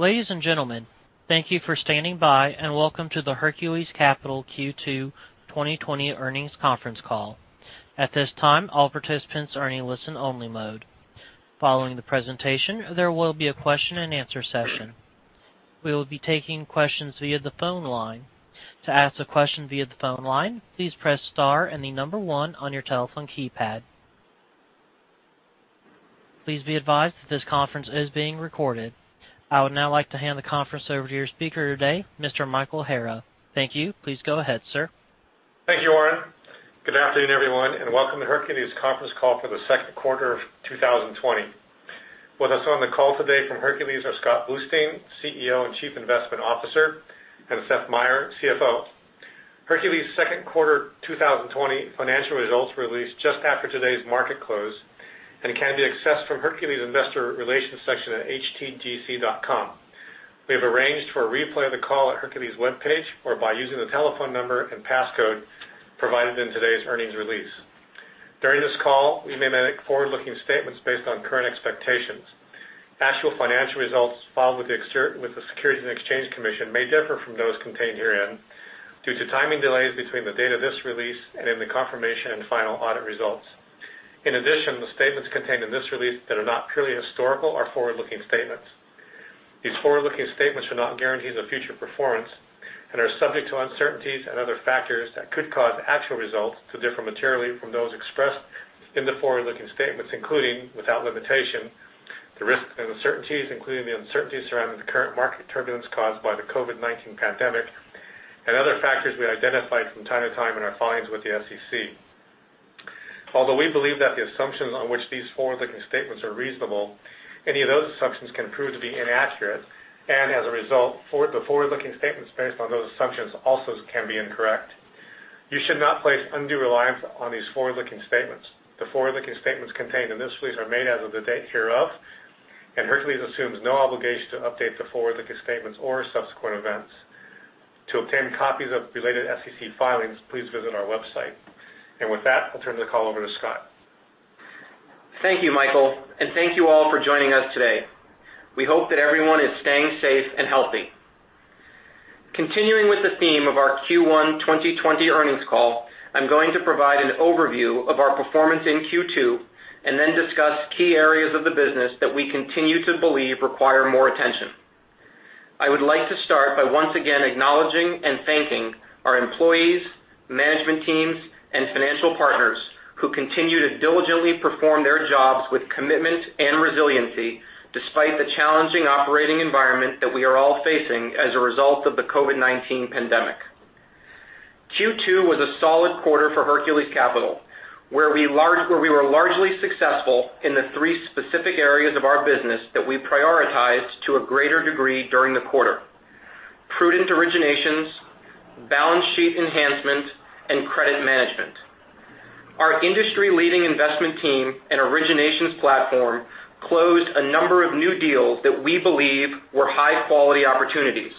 Ladies and gentlemen, thank you for standing by and welcome to the Hercules Capital Q2 2020 earnings conference call. At this time, all participants are in listen-only mode. Following the presentation, there will be a question and answer session. We will be taking questions via the phone line. To ask a question via the phone line, please press star and the number one on your telephone keypad. Please be advised that this conference is being recorded. I would now like to hand the conference over to your speaker today, Mr. Michael Hara. Thank you. Please go ahead, sir. Thank you, Warren. Good afternoon, everyone, and welcome to Hercules conference call for the second quarter of 2020. With us on the call today from Hercules are Scott Bluestein, CEO and Chief Investment Officer, and Seth Meyer, CFO. Hercules second quarter 2020 financial results were released just after today's market close and can be accessed from Hercules' investor relations section at htgc.com. We have arranged for a replay of the call at Hercules' webpage, or by using the telephone number and passcode provided in today's earnings release. During this call, we may make forward-looking statements based on current expectations. Actual financial results filed with the Securities and Exchange Commission may differ from those contained herein due to timing delays between the date of this release and in the confirmation and final audit results. In addition, the statements contained in this release that are not purely historical are forward-looking statements. These forward-looking statements are not guarantees of future performance and are subject to uncertainties and other factors that could cause actual results to differ materially from those expressed in the forward-looking statements, including, without limitation, the risks and uncertainties, including the uncertainties surrounding the current market turbulence caused by the COVID-19 pandemic and other factors we identified from time to time in our filings with the SEC. Although we believe that the assumptions on which these forward-looking statements are reasonable, any of those assumptions can prove to be inaccurate, and as a result, the forward-looking statements based on those assumptions also can be incorrect. You should not place undue reliance on these forward-looking statements. The forward-looking statements contained in this release are made as of the date hereof, and Hercules assumes no obligation to update the forward-looking statements or subsequent events. To obtain copies of related SEC filings, please visit our website. With that, I'll turn the call over to Scott. Thank you, Michael, and thank you all for joining us today. We hope that everyone is staying safe and healthy. Continuing with the theme of our Q1 2020 earnings call, I'm going to provide an overview of our performance in Q2 and then discuss key areas of the business that we continue to believe require more attention. I would like to start by once again acknowledging and thanking our employees, management teams, and financial partners who continue to diligently perform their jobs with commitment and resiliency despite the challenging operating environment that we are all facing as a result of the COVID-19 pandemic. Q2 was a solid quarter for Hercules Capital, where we were largely successful in the three specific areas of our business that we prioritized to a greater degree during the quarter: prudent originations, balance sheet enhancement, and credit management. Our industry-leading investment team and originations platform closed a number of new deals that we believe were high-quality opportunities.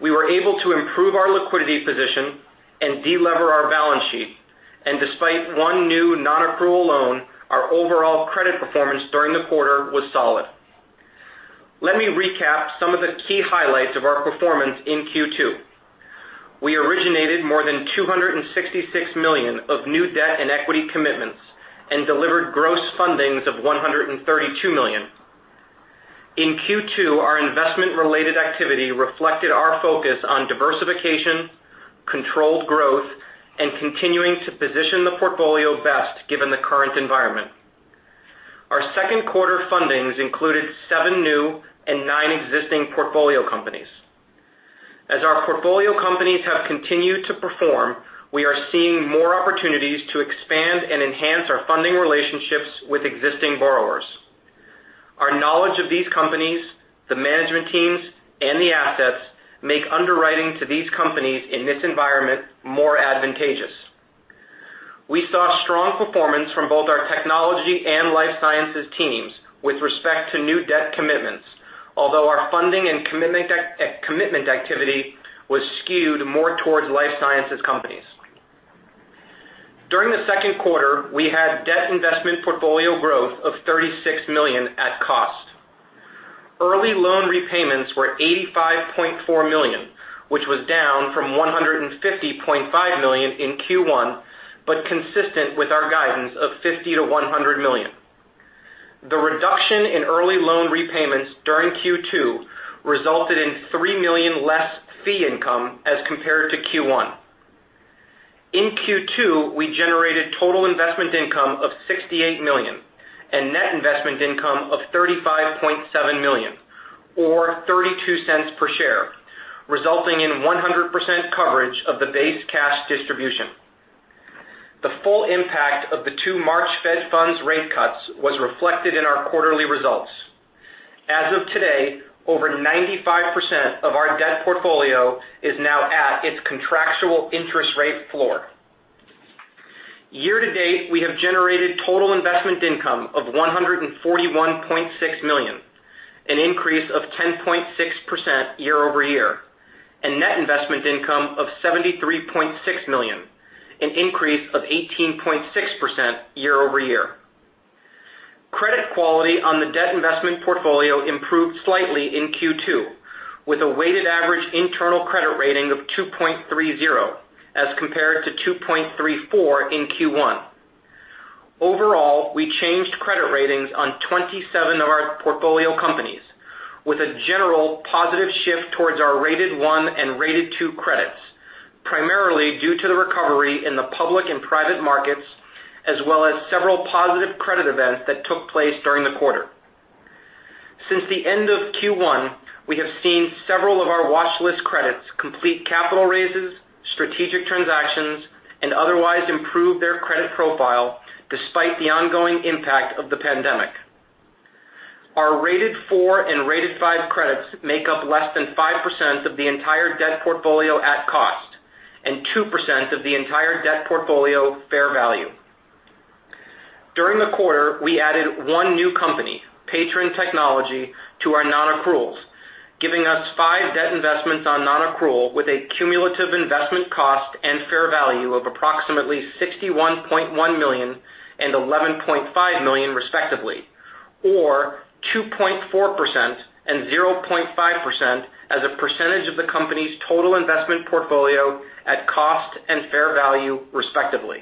We were able to improve our liquidity position and de-lever our balance sheet. Despite one new non-accrual loan, our overall credit performance during the quarter was solid. Let me recap some of the key highlights of our performance in Q2. We originated more than $266 million of new debt and equity commitments and delivered gross fundings of $132 million. In Q2, our investment-related activity reflected our focus on diversification, controlled growth, and continuing to position the portfolio best given the current environment. Our second quarter fundings included seven new and nine existing portfolio companies. As our portfolio companies have continued to perform, we are seeing more opportunities to expand and enhance our funding relationships with existing borrowers. Our knowledge of these companies, the management teams, and the assets make underwriting to these companies in this environment more advantageous. We saw strong performance from both our technology and life sciences teams with respect to new debt commitments. Although our funding and commitment activity was skewed more towards life sciences companies. During the second quarter, we had debt investment portfolio growth of $36 million at cost. Early loan repayments were $85.4 million, which was down from $150.5 million in Q1, but consistent with our guidance of $50 million-$100 million. The reduction in early loan repayments during Q2 resulted in $3 million less fee income as compared to Q1. In Q2, we generated total investment income of $68 million and net investment income of $35.7 million or $0.32 per share, resulting in 100% coverage of the base cash distribution. The full impact of the two March Fed funds rate cuts was reflected in our quarterly results. As of today, over 95% of our debt portfolio is now at its contractual interest rate floor. Year to date, we have generated total investment income of $141.6 million, an increase of 10.6% year-over-year. Net investment income of $73.6 million, an increase of 18.6% year-over-year. Credit quality on the debt investment portfolio improved slightly in Q2, with a weighted average internal credit rating of 2.30 as compared to 2.34 in Q1. Overall, we changed credit ratings on 27 of our portfolio companies, with a general positive shift towards our rated one and rated two credits, primarily due to the recovery in the public and private markets, as well as several positive credit events that took place during the quarter. Since the end of Q1, we have seen several of our watchlist credits complete capital raises, strategic transactions, and otherwise improve their credit profile despite the ongoing impact of the pandemic. Our rated 4 and rated 5 credits make up less than 5% of the entire debt portfolio at cost and 2% of the entire debt portfolio fair value. During the quarter, we added one new company, Patron Technology, to our non-accruals, giving us five debt investments on non-accrual with a cumulative investment cost and fair value of approximately $61.1 million and $11.5 million respectively, or 2.4% and 0.5% as a percentage of the company's total investment portfolio at cost and fair value, respectively.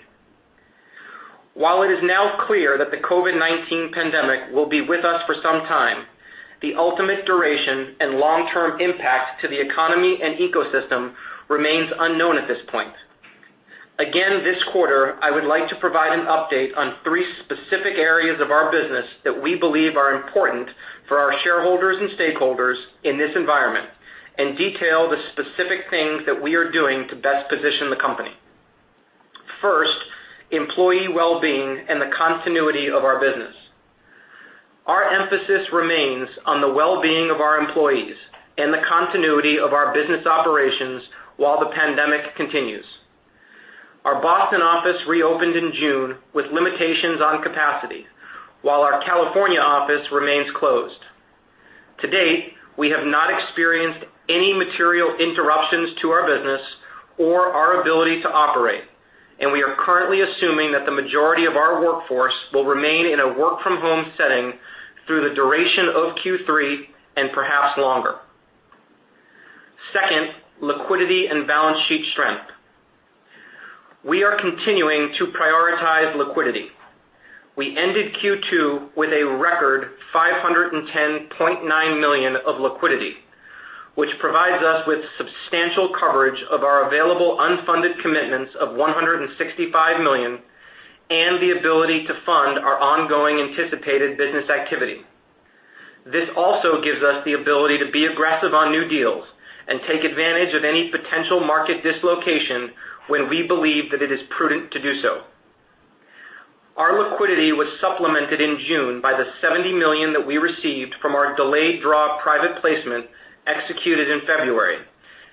While it is now clear that the COVID-19 pandemic will be with us for some time, the ultimate duration and long-term impact to the economy and ecosystem remains unknown at this point. Again, this quarter, I would like to provide an update on three specific areas of our business that we believe are important for our shareholders and stakeholders in this environment, and detail the specific things that we are doing to best position the company. First, employee well-being and the continuity of our business. Our emphasis remains on the well-being of our employees and the continuity of our business operations while the pandemic continues. Our Boston office reopened in June with limitations on capacity, while our California office remains closed. To date, we have not experienced any material interruptions to our business or our ability to operate, and we are currently assuming that the majority of our workforce will remain in a work-from-home setting through the duration of Q3 and perhaps longer. Second, liquidity and balance sheet strength. We are continuing to prioritize liquidity. We ended Q2 with a record $510.9 million of liquidity, which provides us with substantial coverage of our available unfunded commitments of $165 million and the ability to fund our ongoing anticipated business activity. This also gives us the ability to be aggressive on new deals and take advantage of any potential market dislocation when we believe that it is prudent to do so. Our liquidity was supplemented in June by the $70 million that we received from our delayed draw private placement executed in February,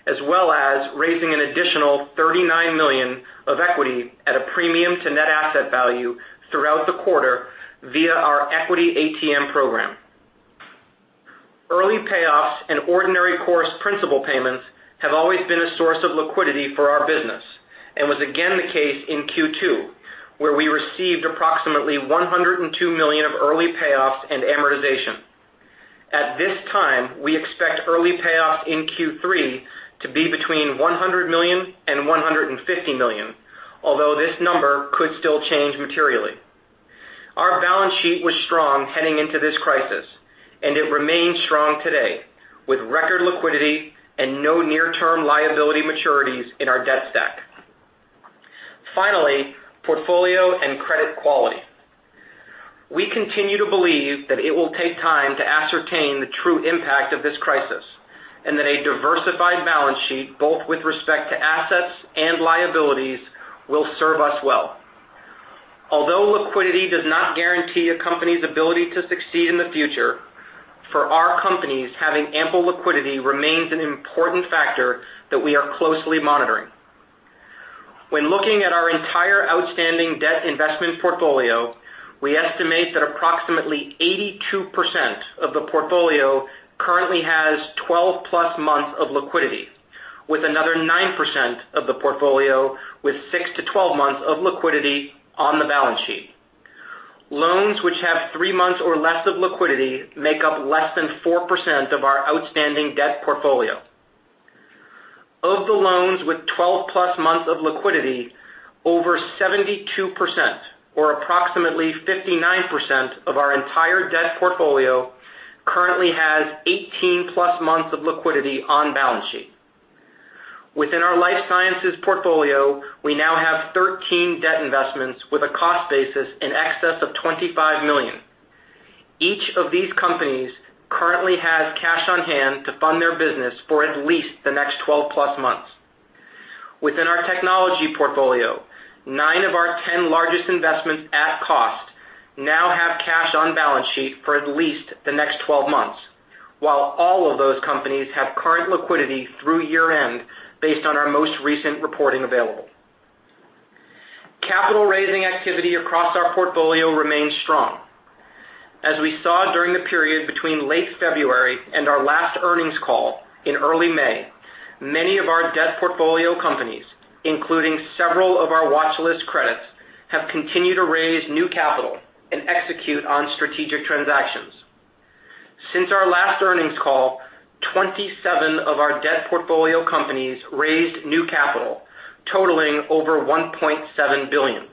as well as raising an additional $39 million of equity at a premium to net asset value throughout the quarter via our equity ATM program. Early payoffs and ordinary course principal payments have always been a source of liquidity for our business and was again the case in Q2, where we received approximately $102 million of early payoffs and amortization. At this time, we expect early payoffs in Q3 to be between $100 million-$150 million, although this number could still change materially. Our balance sheet was strong heading into this crisis, and it remains strong today, with record liquidity and no near-term liability maturities in our debt stack. Finally, portfolio and credit quality. We continue to believe that it will take time to ascertain the true impact of this crisis, and that a diversified balance sheet, both with respect to assets and liabilities, will serve us well. Although liquidity does not guarantee a company's ability to succeed in the future, for our companies, having ample liquidity remains an important factor that we are closely monitoring. When looking at our entire outstanding debt investment portfolio, we estimate that approximately 82% of the portfolio currently has 12+ months of liquidity, with another 9% of the portfolio with 6-12 months of liquidity on the balance sheet. Loans which have three months or less of liquidity make up less than 4% of our outstanding debt portfolio. Of the loans with 12+ months of liquidity, over 72%, or approximately 59% of our entire debt portfolio, currently has 18+ months of liquidity on balance sheet. Within our life sciences portfolio, we now have 13 debt investments with a cost basis in excess of $25 million. Each of these companies currently has cash on hand to fund their business for at least the next 12+ months. Within our technology portfolio, nine of our 10 largest investments at cost now have cash on balance sheet for at least the next 12 months, while all of those companies have current liquidity through year-end based on our most recent reporting available. Capital raising activity across our portfolio remains strong. As we saw during the period between late February and our last earnings call in early May, many of our debt portfolio companies, including several of our watchlist credits, have continued to raise new capital and execute on strategic transactions. Since our last earnings call, 27 of our debt portfolio companies raised new capital totaling over $1.7 billion.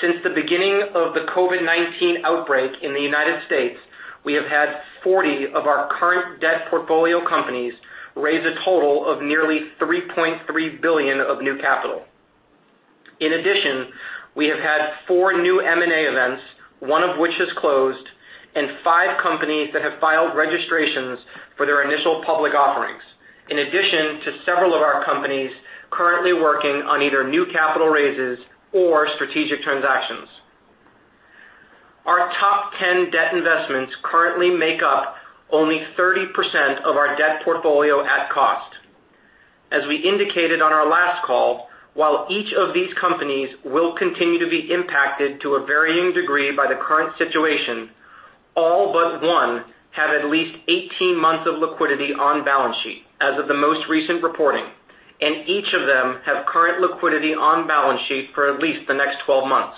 Since the beginning of the COVID-19 outbreak in the United States, we have had 40 of our current debt portfolio companies raise a total of nearly $3.3 billion of new capital. In addition, we have had four new M&A events, one of which has closed, and five companies that have filed registrations for their initial public offerings. In addition to several of our companies currently working on either new capital raises or strategic transactions. Our top 10 debt investments currently make up only 30% of our debt portfolio at cost. As we indicated on our last call, while each of these companies will continue to be impacted to a varying degree by the current situation, all but one have at least 18 months of liquidity on balance sheet as of the most recent reporting, and each of them have current liquidity on balance sheet for at least the next 12 months.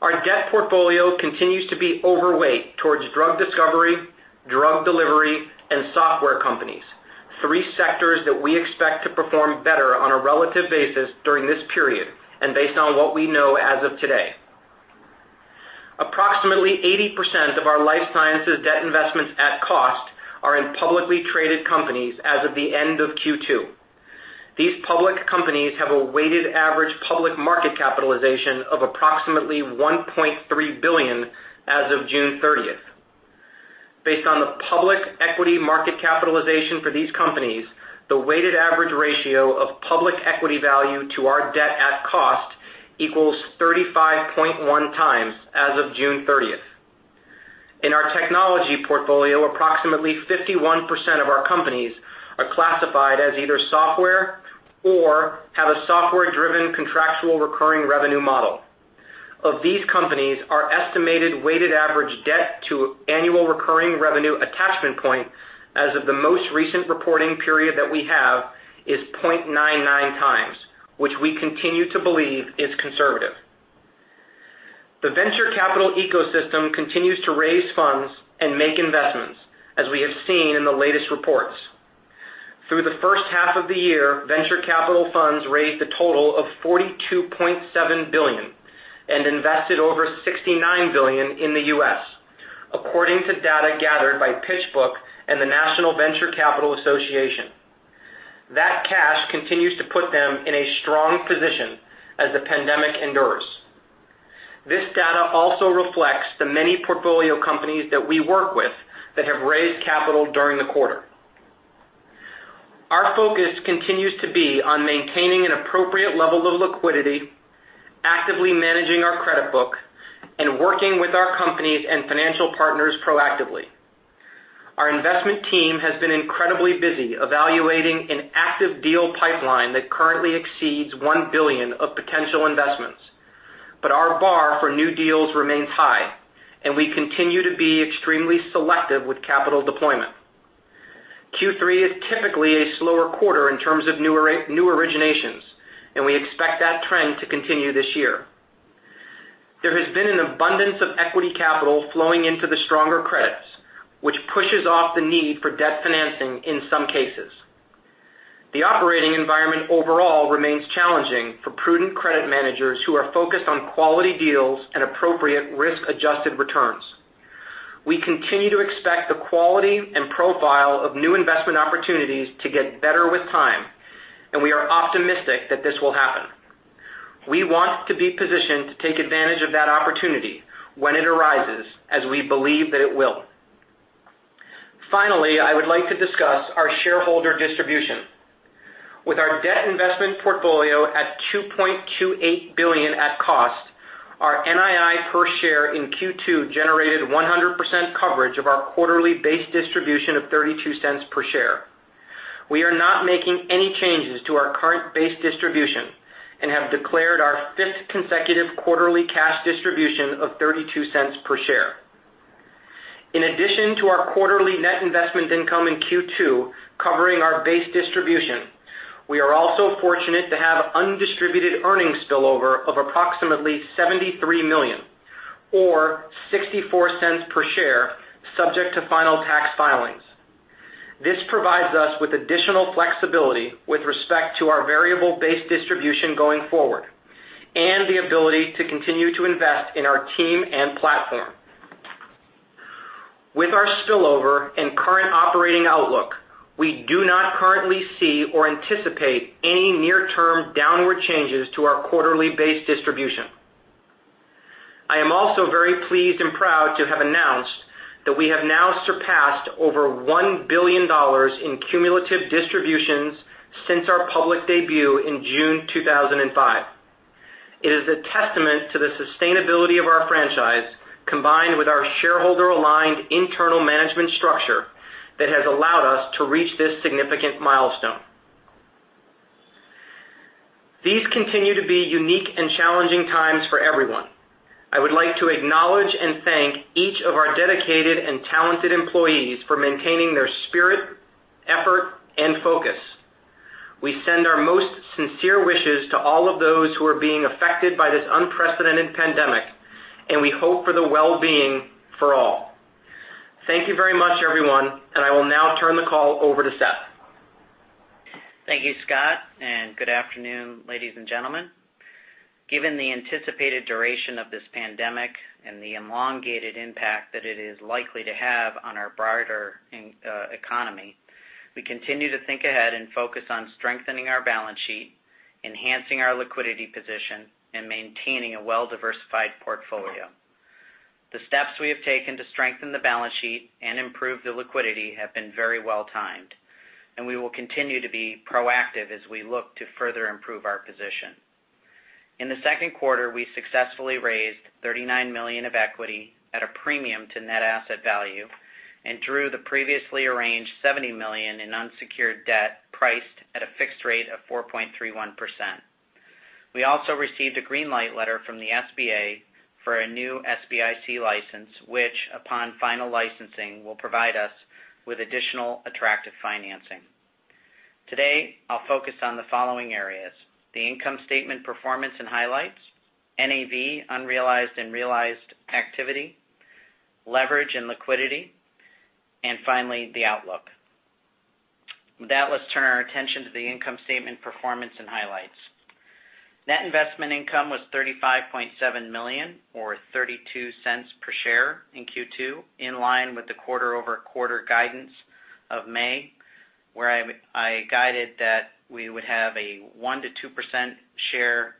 Our debt portfolio continues to be overweight towards drug discovery, drug delivery, and software companies, three sectors that we expect to perform better on a relative basis during this period and based on what we know as of today. Approximately 80% of our life sciences debt investments at cost are in publicly traded companies as of the end of Q2. These public companies have a weighted average public market capitalization of approximately $1.3 billion as of June 30th. Based on the public equity market capitalization for these companies, the weighted average ratio of public equity value to our debt at cost equals 35.1x as of June 30th. In our technology portfolio, approximately 51% of our companies are classified as either software or have a software-driven contractual recurring revenue model. Of these companies, our estimated weighted average debt to annual recurring revenue attachment point as of the most recent reporting period that we have is 0.99x, which we continue to believe is conservative. The venture capital ecosystem continues to raise funds and make investments, as we have seen in the latest reports. Through the first half of the year, venture capital funds raised a total of $42.7 billion and invested over $69 billion in the U.S., according to data gathered by PitchBook and the National Venture Capital Association. That cash continues to put them in a strong position as the pandemic endures. This data also reflects the many portfolio companies that we work with that have raised capital during the quarter. Our focus continues to be on maintaining an appropriate level of liquidity, actively managing our credit book, and working with our companies and financial partners proactively. Our investment team has been incredibly busy evaluating an active deal pipeline that currently exceeds $1 billion of potential investments. Our bar for new deals remains high, and we continue to be extremely selective with capital deployment. Q3 is typically a slower quarter in terms of new originations. We expect that trend to continue this year. There has been an abundance of equity capital flowing into the stronger credits, which pushes off the need for debt financing in some cases. The operating environment overall remains challenging for prudent credit managers who are focused on quality deals and appropriate risk-adjusted returns. We continue to expect the quality and profile of new investment opportunities to get better with time. We are optimistic that this will happen. We want to be positioned to take advantage of that opportunity when it arises, as we believe that it will. Finally, I would like to discuss our shareholder distribution. With our debt investment portfolio at $2.28 billion at cost, our NII per share in Q2 generated 100% coverage of our quarterly base distribution of $0.32 per share. We are not making any changes to our current base distribution and have declared our fifth consecutive quarterly cash distribution of $0.32 per share. In addition to our quarterly net investment income in Q2 covering our base distribution, we are also fortunate to have undistributed earnings spillover of approximately $73 million or $0.64 per share, subject to final tax filings. This provides us with additional flexibility with respect to our variable base distribution going forward and the ability to continue to invest in our team and platform. With our spillover and current operating outlook, we do not currently see or anticipate any near-term downward changes to our quarterly base distribution. I am also very pleased and proud to have announced that we have now surpassed over $1 billion in cumulative distributions since our public debut in June 2005. It is a testament to the sustainability of our franchise, combined with our shareholder-aligned internal management structure that has allowed us to reach this significant milestone. These continue to be unique and challenging times for everyone. I would like to acknowledge and thank each of our dedicated and talented employees for maintaining their spirit, effort, and focus. We send our most sincere wishes to all of those who are being affected by this unprecedented pandemic, and we hope for the well-being for all. Thank you very much, everyone, and I will now turn the call over to Seth. Thank you, Scott, and good afternoon, ladies and gentlemen. Given the anticipated duration of this pandemic and the elongated impact that it is likely to have on our broader economy, we continue to think ahead and focus on strengthening our balance sheet, enhancing our liquidity position, and maintaining a well-diversified portfolio. The steps we have taken to strengthen the balance sheet and improve the liquidity have been very well timed, and we will continue to be proactive as we look to further improve our position. In the second quarter, we successfully raised $39 million of equity at a premium to net asset value and drew the previously arranged $70 million in unsecured debt priced at a fixed rate of 4.31%. We also received a green light letter from the SBA for a new SBIC license, which, upon final licensing, will provide us with additional attractive financing. Today, I'll focus on the following areas: the income statement performance and highlights, NAV unrealized and realized activity, leverage and liquidity, and finally, the outlook. With that, let's turn our attention to the income statement performance and highlights. Net investment income was $35.7 million or $0.32 per share in Q2, in line with the quarter-over-quarter guidance of May, where I guided that we would have a 1%-2% share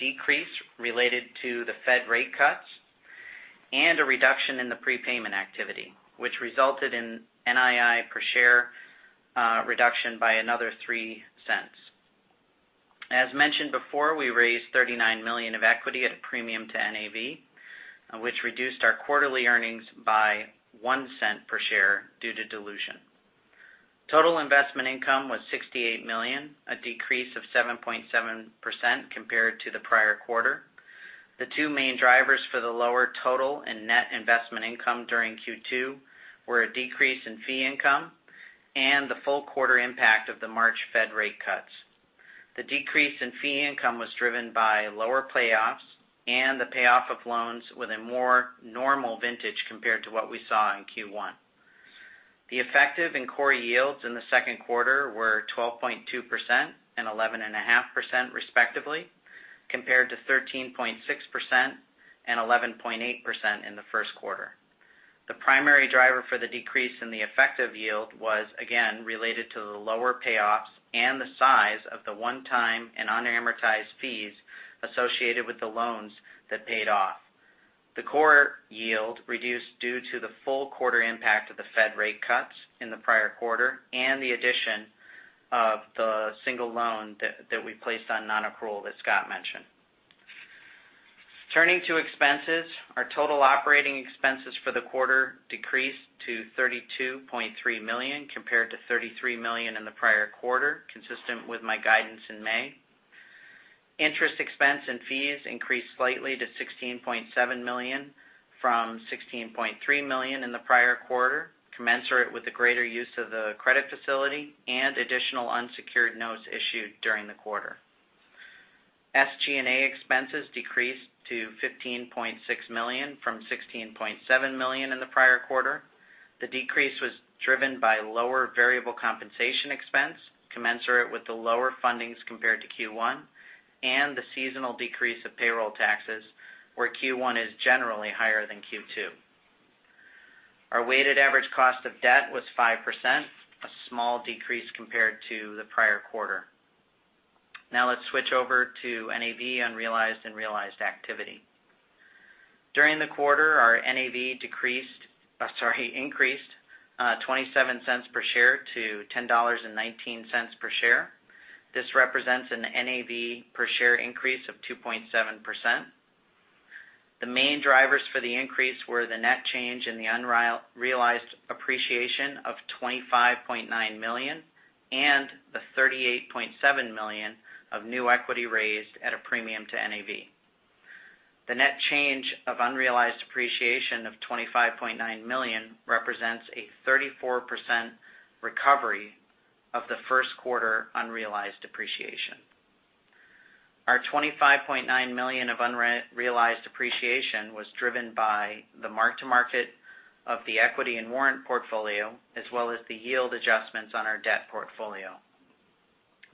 decrease related to the Fed rate cuts and a reduction in the prepayment activity, which resulted in NII per share reduction by another $0.03. As mentioned before, we raised $39 million of equity at a premium to NAV, which reduced our quarterly earnings by $0.01 per share due to dilution. Total investment income was $68 million, a decrease of 7.7% compared to the prior quarter. The two main drivers for the lower total and net investment income during Q2 were a decrease in fee income and the full quarter impact of the March Fed rate cuts. The decrease in fee income was driven by lower payoffs and the payoff of loans with a more normal vintage compared to what we saw in Q1. The effective and core yields in the second quarter were 12.2% and 11.5%, respectively, compared to 13.6% and 11.8% in the first quarter. The primary driver for the decrease in the effective yield was again related to the lower payoffs and the size of the one-time and unamortized fees associated with the loans that paid off. The core yield reduced due to the full quarter impact of the Fed rate cuts in the prior quarter and the addition of the single loan that we placed on nonaccrual, as Scott mentioned. Turning to expenses, our total operating expenses for the quarter decreased to $32.3 million compared to $33 million in the prior quarter, consistent with my guidance in May. Interest expense and fees increased slightly to $16.7 million from $16.3 million in the prior quarter, commensurate with the greater use of the credit facility and additional unsecured notes issued during the quarter. SG&A expenses decreased to $15.6 million from $16.7 million in the prior quarter. The decrease was driven by lower variable compensation expense commensurate with the lower fundings compared to Q1 and the seasonal decrease of payroll taxes, where Q1 is generally higher than Q2. Our weighted average cost of debt was 5%, a small decrease compared to the prior quarter. Now let's switch over to NAV unrealized and realized activity. During the quarter, our NAV decreased. Sorry, increased $0.27 per share to $10.19 per share. This represents an NAV per share increase of 2.7%. The main drivers for the increase were the net change in the unrealized appreciation of $25.9 million and the $38.7 million of new equity raised at a premium to NAV. The net change of unrealized appreciation of $25.9 million represents a 34% recovery of the first quarter unrealized appreciation. Our $25.9 million of unrealized appreciation was driven by the mark-to-market of the equity and warrant portfolio, as well as the yield adjustments on our debt portfolio.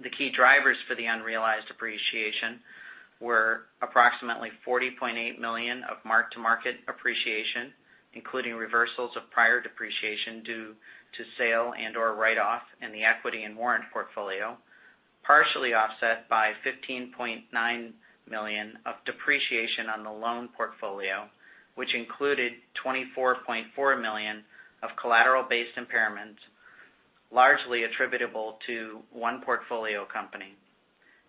The key drivers for the unrealized appreciation were approximately $40.8 million of mark-to-market appreciation, including reversals of prior depreciation due to sale and/or write-off in the equity and warrant portfolio, partially offset by $15.9 million of depreciation on the loan portfolio, which included $24.4 million of collateral-based impairments. Largely attributable to one portfolio company.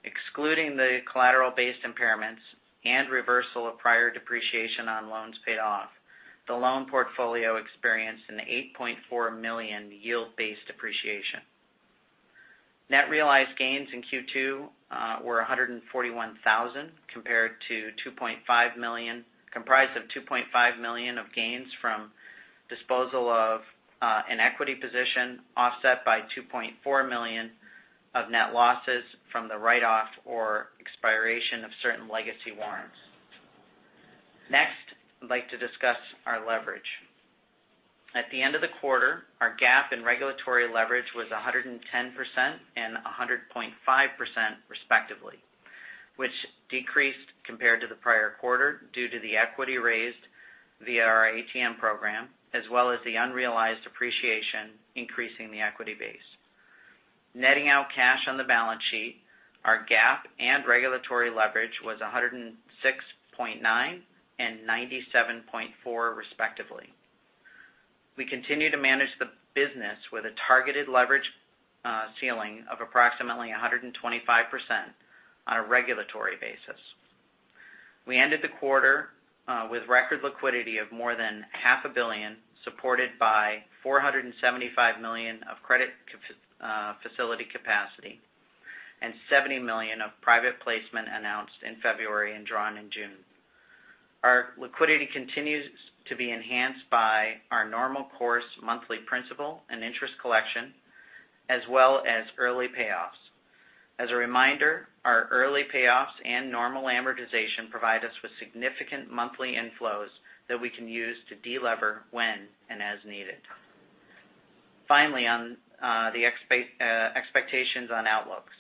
Excluding the collateral-based impairments and reversal of prior depreciation on loans paid off, the loan portfolio experienced an $8.4 million yield-based depreciation. Net realized gains in Q2 were $141,000 compared to $2.5 million, comprised of $2.5 million of gains from disposal of an equity position, offset by $2.4 million of net losses from the write-off or expiration of certain legacy warrants. Next, I'd like to discuss our leverage. At the end of the quarter, our GAAP and regulatory leverage was 110% and 100.5% respectively, which decreased compared to the prior quarter due to the equity raised via our ATM program, as well as the unrealized appreciation increasing the equity base. Netting out cash on the balance sheet, our GAAP and regulatory leverage was 106.9% and 97.4% respectively. We continue to manage the business with a targeted leverage ceiling of approximately 125% on a regulatory basis. We ended the quarter with record liquidity of more than $500 million, supported by $475 million of credit facility capacity and $70 million of private placement announced in February and drawn in June. Our liquidity continues to be enhanced by our normal course monthly principal and interest collection, as well as early payoffs. As a reminder, our early payoffs and normal amortization provide us with significant monthly inflows that we can use to de-lever when and as needed. On the expectations on outlooks.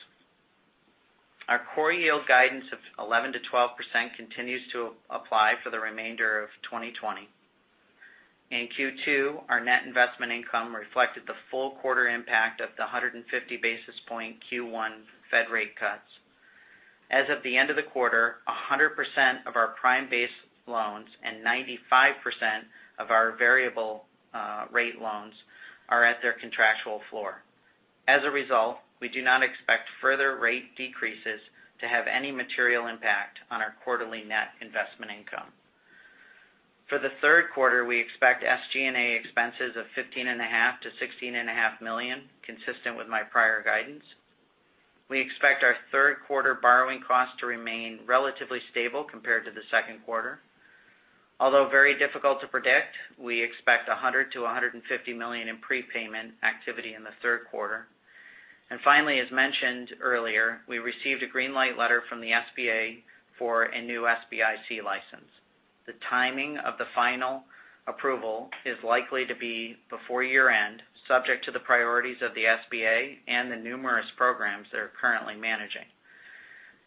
Our core yield guidance of 11%-12% continues to apply for the remainder of 2020. In Q2, our net investment income reflected the full quarter impact of the 150 basis point Q1 Fed rate cuts. As of the end of the quarter, 100% of our prime base loans and 95% of our variable rate loans are at their contractual floor. As a result, we do not expect further rate decreases to have any material impact on our quarterly net investment income. For the third quarter, we expect SG&A expenses of $15.5 million-$16.5 million, consistent with my prior guidance. We expect our third quarter borrowing costs to remain relatively stable compared to the second quarter. Although very difficult to predict, we expect $100 million-$150 million in prepayment activity in the third quarter. Finally, as mentioned earlier, we received a green light letter from the SBA for a new SBIC license. The timing of the final approval is likely to be before year-end, subject to the priorities of the SBA and the numerous programs they are currently managing.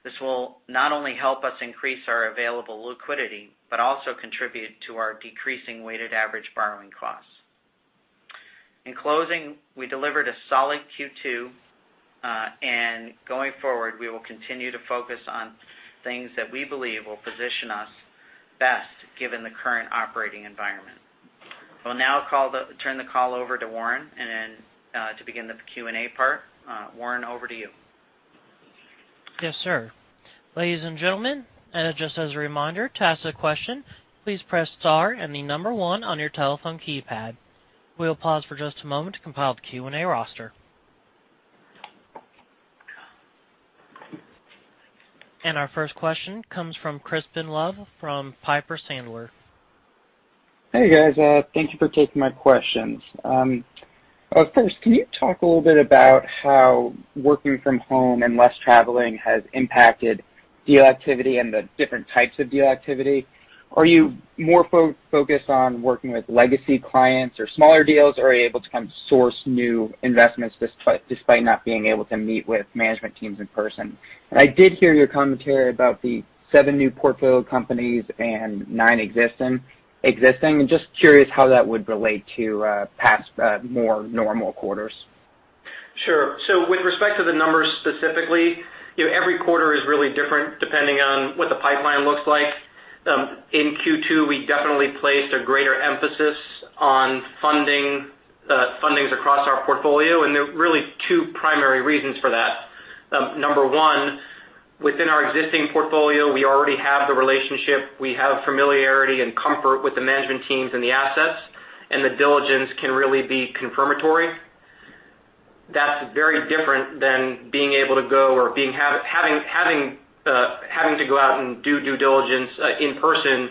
This will not only help us increase our available liquidity, but also contribute to our decreasing weighted average borrowing costs. In closing, we delivered a solid Q2. Going forward, we will continue to focus on things that we believe will position us best given the current operating environment. We'll now turn the call over to Warren to begin the Q&A part. Warren, over to you. Yes, sir. Ladies and gentlemen, just as a reminder, to ask a question, please press star and the number one on your telephone keypad. We'll pause for just a moment to compile the Q&A roster. Our first question comes from Crispin Love from Piper Sandler. Hey, guys. Thank you for taking my questions. First, can you talk a little bit about how working from home and less traveling has impacted deal activity and the different types of deal activity? Are you more focused on working with legacy clients or smaller deals, or are you able to kind of source new investments despite not being able to meet with management teams in person? I did hear your commentary about the seven new portfolio companies and nine existing. I'm just curious how that would relate to past more normal quarters. Sure. With respect to the numbers specifically, every quarter is really different depending on what the pipeline looks like. In Q2, we definitely placed a greater emphasis on fundings across our portfolio. There are really two primary reasons for that. Number one, within our existing portfolio, we already have the relationship. We have familiarity and comfort with the management teams and the assets. The diligence can really be confirmatory. That's very different than being able to go or having to go out and do due diligence in person,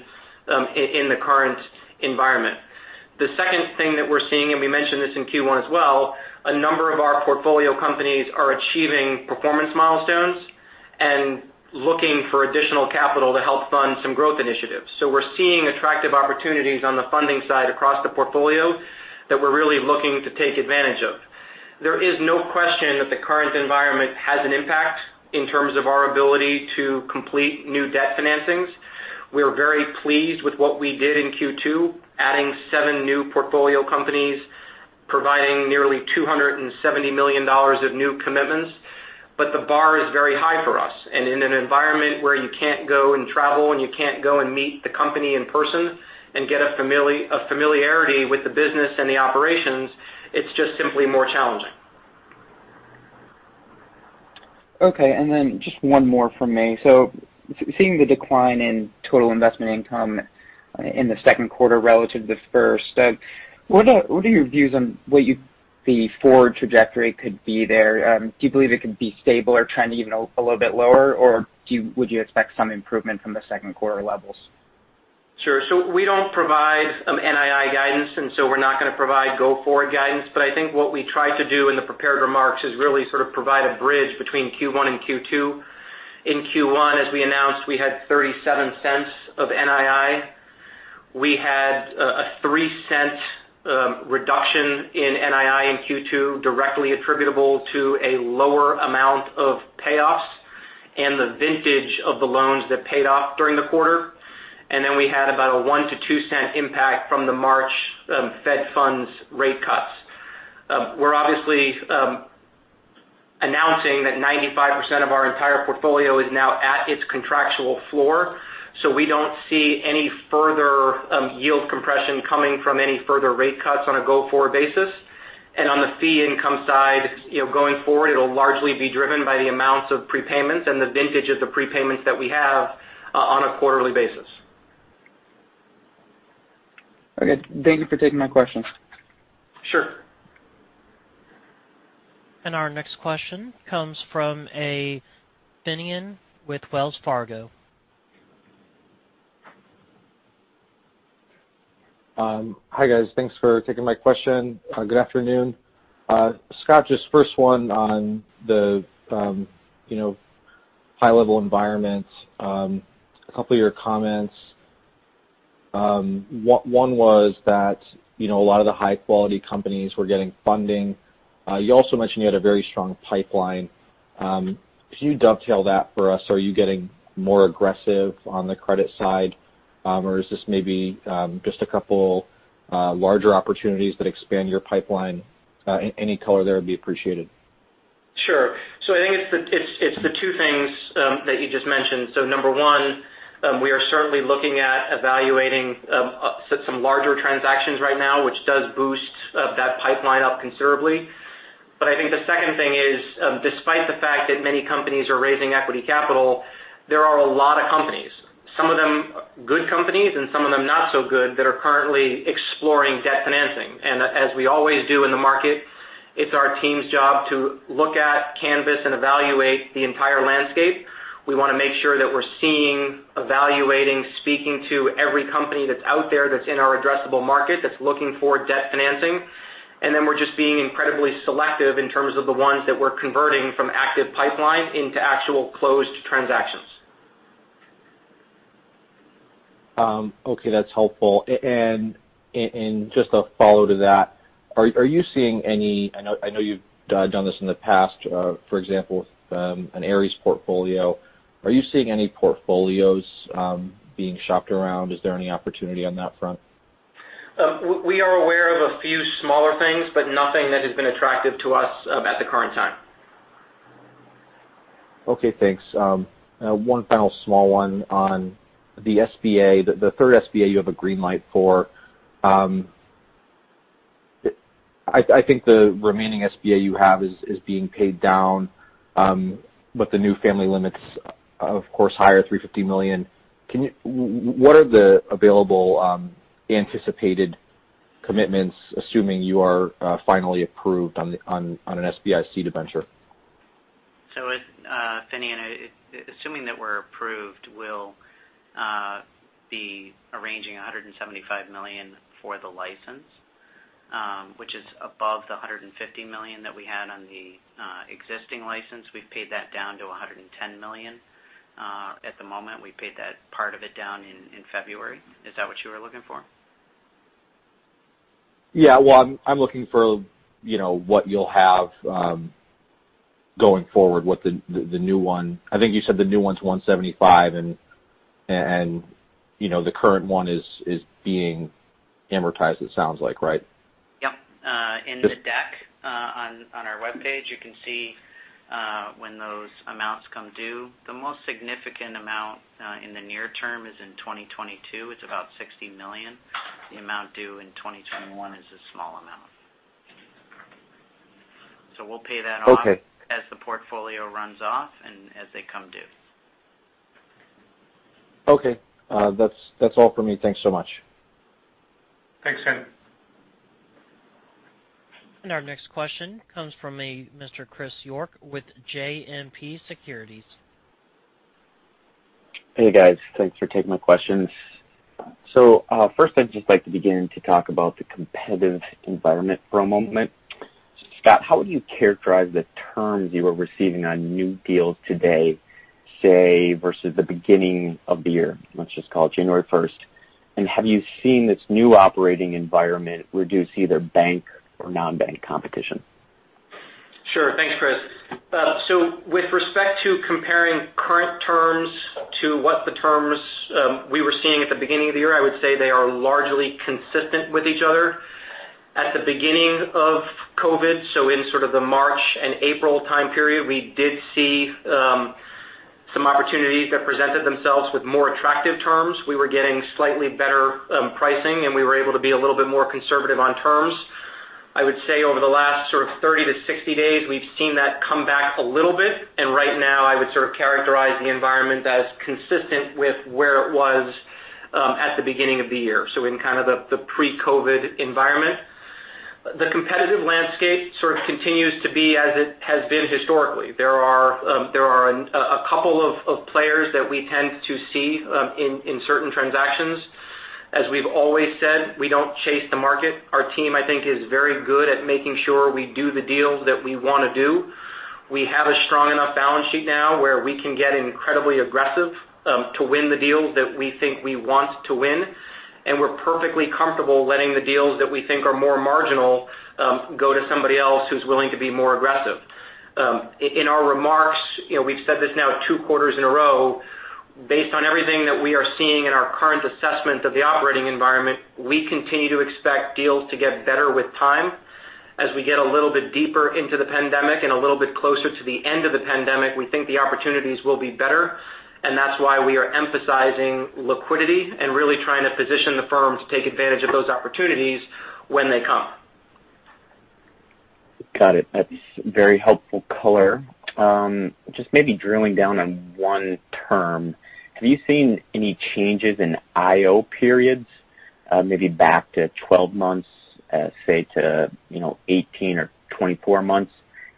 in the current environment. The second thing that we're seeing, we mentioned this in Q1 as well, a number of our portfolio companies are achieving performance milestones and looking for additional capital to help fund some growth initiatives. We're seeing attractive opportunities on the funding side across the portfolio that we're really looking to take advantage of. There is no question that the current environment has an impact in terms of our ability to complete new debt financings. We are very pleased with what we did in Q2, adding seven new portfolio companies, providing nearly $270 million of new commitments. The bar is very high for us. In an environment where you can't go and travel and you can't go and meet the company in person and get a familiarity with the business and the operations, it's just simply more challenging. Okay. Just one more from me. Seeing the decline in total investment income in the second quarter relative to the first, what are your views on what you think the forward trajectory could be there? Do you believe it could be stable or trending even a little bit lower, or would you expect some improvement from the second quarter levels? Sure. We don't provide NII guidance, and so we're not going to provide go-forward guidance. I think what we try to do in the prepared remarks is really sort of provide a bridge between Q1 and Q2. In Q1, as we announced, we had $0.37 of NII. We had a $0.03 reduction in NII in Q2 directly attributable to a lower amount of payoffs and the vintage of the loans that paid off during the quarter. Then we had about a $0.01-$0.02 impact from the March Fed funds rate cuts. We're obviously announcing that 95% of our entire portfolio is now at its contractual floor, so we don't see any further yield compression coming from any further rate cuts on a go-forward basis. On the fee income side, going forward, it'll largely be driven by the amounts of prepayments and the vintage of the prepayments that we have on a quarterly basis. Okay. Thank you for taking my questions. Sure. Our next question comes from a Finian with Wells Fargo. Hi, guys. Thanks for taking my question. Good afternoon. Scott, just first one on the high-level environment. A couple of your comments. One was that a lot of the high-quality companies were getting funding. You also mentioned you had a very strong pipeline. Could you dovetail that for us? Are you getting more aggressive on the credit side, or is this maybe just a couple larger opportunities that expand your pipeline? Any color there would be appreciated. Sure. I think it's the two things that you just mentioned. Number one, we are certainly looking at evaluating some larger transactions right now, which does boost that pipeline up considerably. I think the second thing is, despite the fact that many companies are raising equity capital, there are a lot of companies. Some of them good companies and some of them not so good that are currently exploring debt financing. As we always do in the market, it's our team's job to look at, canvas, and evaluate the entire landscape. We want to make sure that we're seeing, evaluating, speaking to every company that's out there that's in our addressable market that's looking for debt financing. We're just being incredibly selective in terms of the ones that we're converting from active pipeline into actual closed transactions. Okay, that's helpful. Just a follow to that. Are you seeing any, I know you've done this in the past, for example, an Ares portfolio. Are you seeing any portfolios being shopped around? Is there any opportunity on that front? We are aware of a few smaller things, but nothing that has been attractive to us at the current time. Okay, thanks. One final small one on the SBA. The third SBA you have a green light for. I think the remaining SBA you have is being paid down with the new family limits, of course, higher, $350 million. What are the available anticipated commitments, assuming you are finally approved on an SBIC debenture? Finian, assuming that we're approved, we'll be arranging $175 million for the license, which is above the $150 million that we had on the existing license. We've paid that down to $110 million. At the moment, we paid that part of it down in February. Is that what you were looking for? Yeah. Well, I'm looking for what you'll have going forward with the new one. I think you said the new one's $175 million and the current one is being amortized, it sounds like, right? Yep. In the deck on our webpage, you can see when those amounts come due. The most significant amount in the near term is in 2022. It's about $60 million. The amount due in 2021 is a small amount. We'll pay that off. Okay As the portfolio runs off and as they come due. Okay. That's all for me. Thanks so much. Thanks, Finian. Our next question comes from a Mr. Chris York with JMP Securities. Hey, guys. Thanks for taking my questions. First I'd just like to begin to talk about the competitive environment for a moment. Scott, how would you characterize the terms you are receiving on new deals today, say versus the beginning of the year, let's just call it January 1st. Have you seen this new operating environment reduce either bank or non-bank competition? Sure. Thanks, Chris. With respect to comparing current terms to what the terms we were seeing at the beginning of the year, I would say they are largely consistent with each other. At the beginning of COVID, so in sort of the March and April time period, we did see some opportunities that presented themselves with more attractive terms. We were getting slightly better pricing, and we were able to be a little bit more conservative on terms. I would say over the last sort of 30 to 60 days, we've seen that come back a little bit, and right now I would sort of characterize the environment as consistent with where it was at the beginning of the year, so in kind of the pre-COVID environment. The competitive landscape sort of continues to be as it has been historically. There are a couple of players that we tend to see in certain transactions. As we've always said, we don't chase the market. Our team, I think, is very good at making sure we do the deals that we want to do. We have a strong enough balance sheet now where we can get incredibly aggressive to win the deals that we think we want to win, and we're perfectly comfortable letting the deals that we think are more marginal go to somebody else who's willing to be more aggressive. In our remarks, we've said this now two quarters in a row. Based on everything that we are seeing in our current assessment of the operating environment, we continue to expect deals to get better with time. As we get a little bit deeper into the pandemic and a little bit closer to the end of the pandemic, we think the opportunities will be better, and that's why we are emphasizing liquidity and really trying to position the firm to take advantage of those opportunities when they come. Got it. That's very helpful color. Just maybe drilling down on one term, have you seen any changes in IO periods, maybe back to 12 months, say, to 18 or 24 months?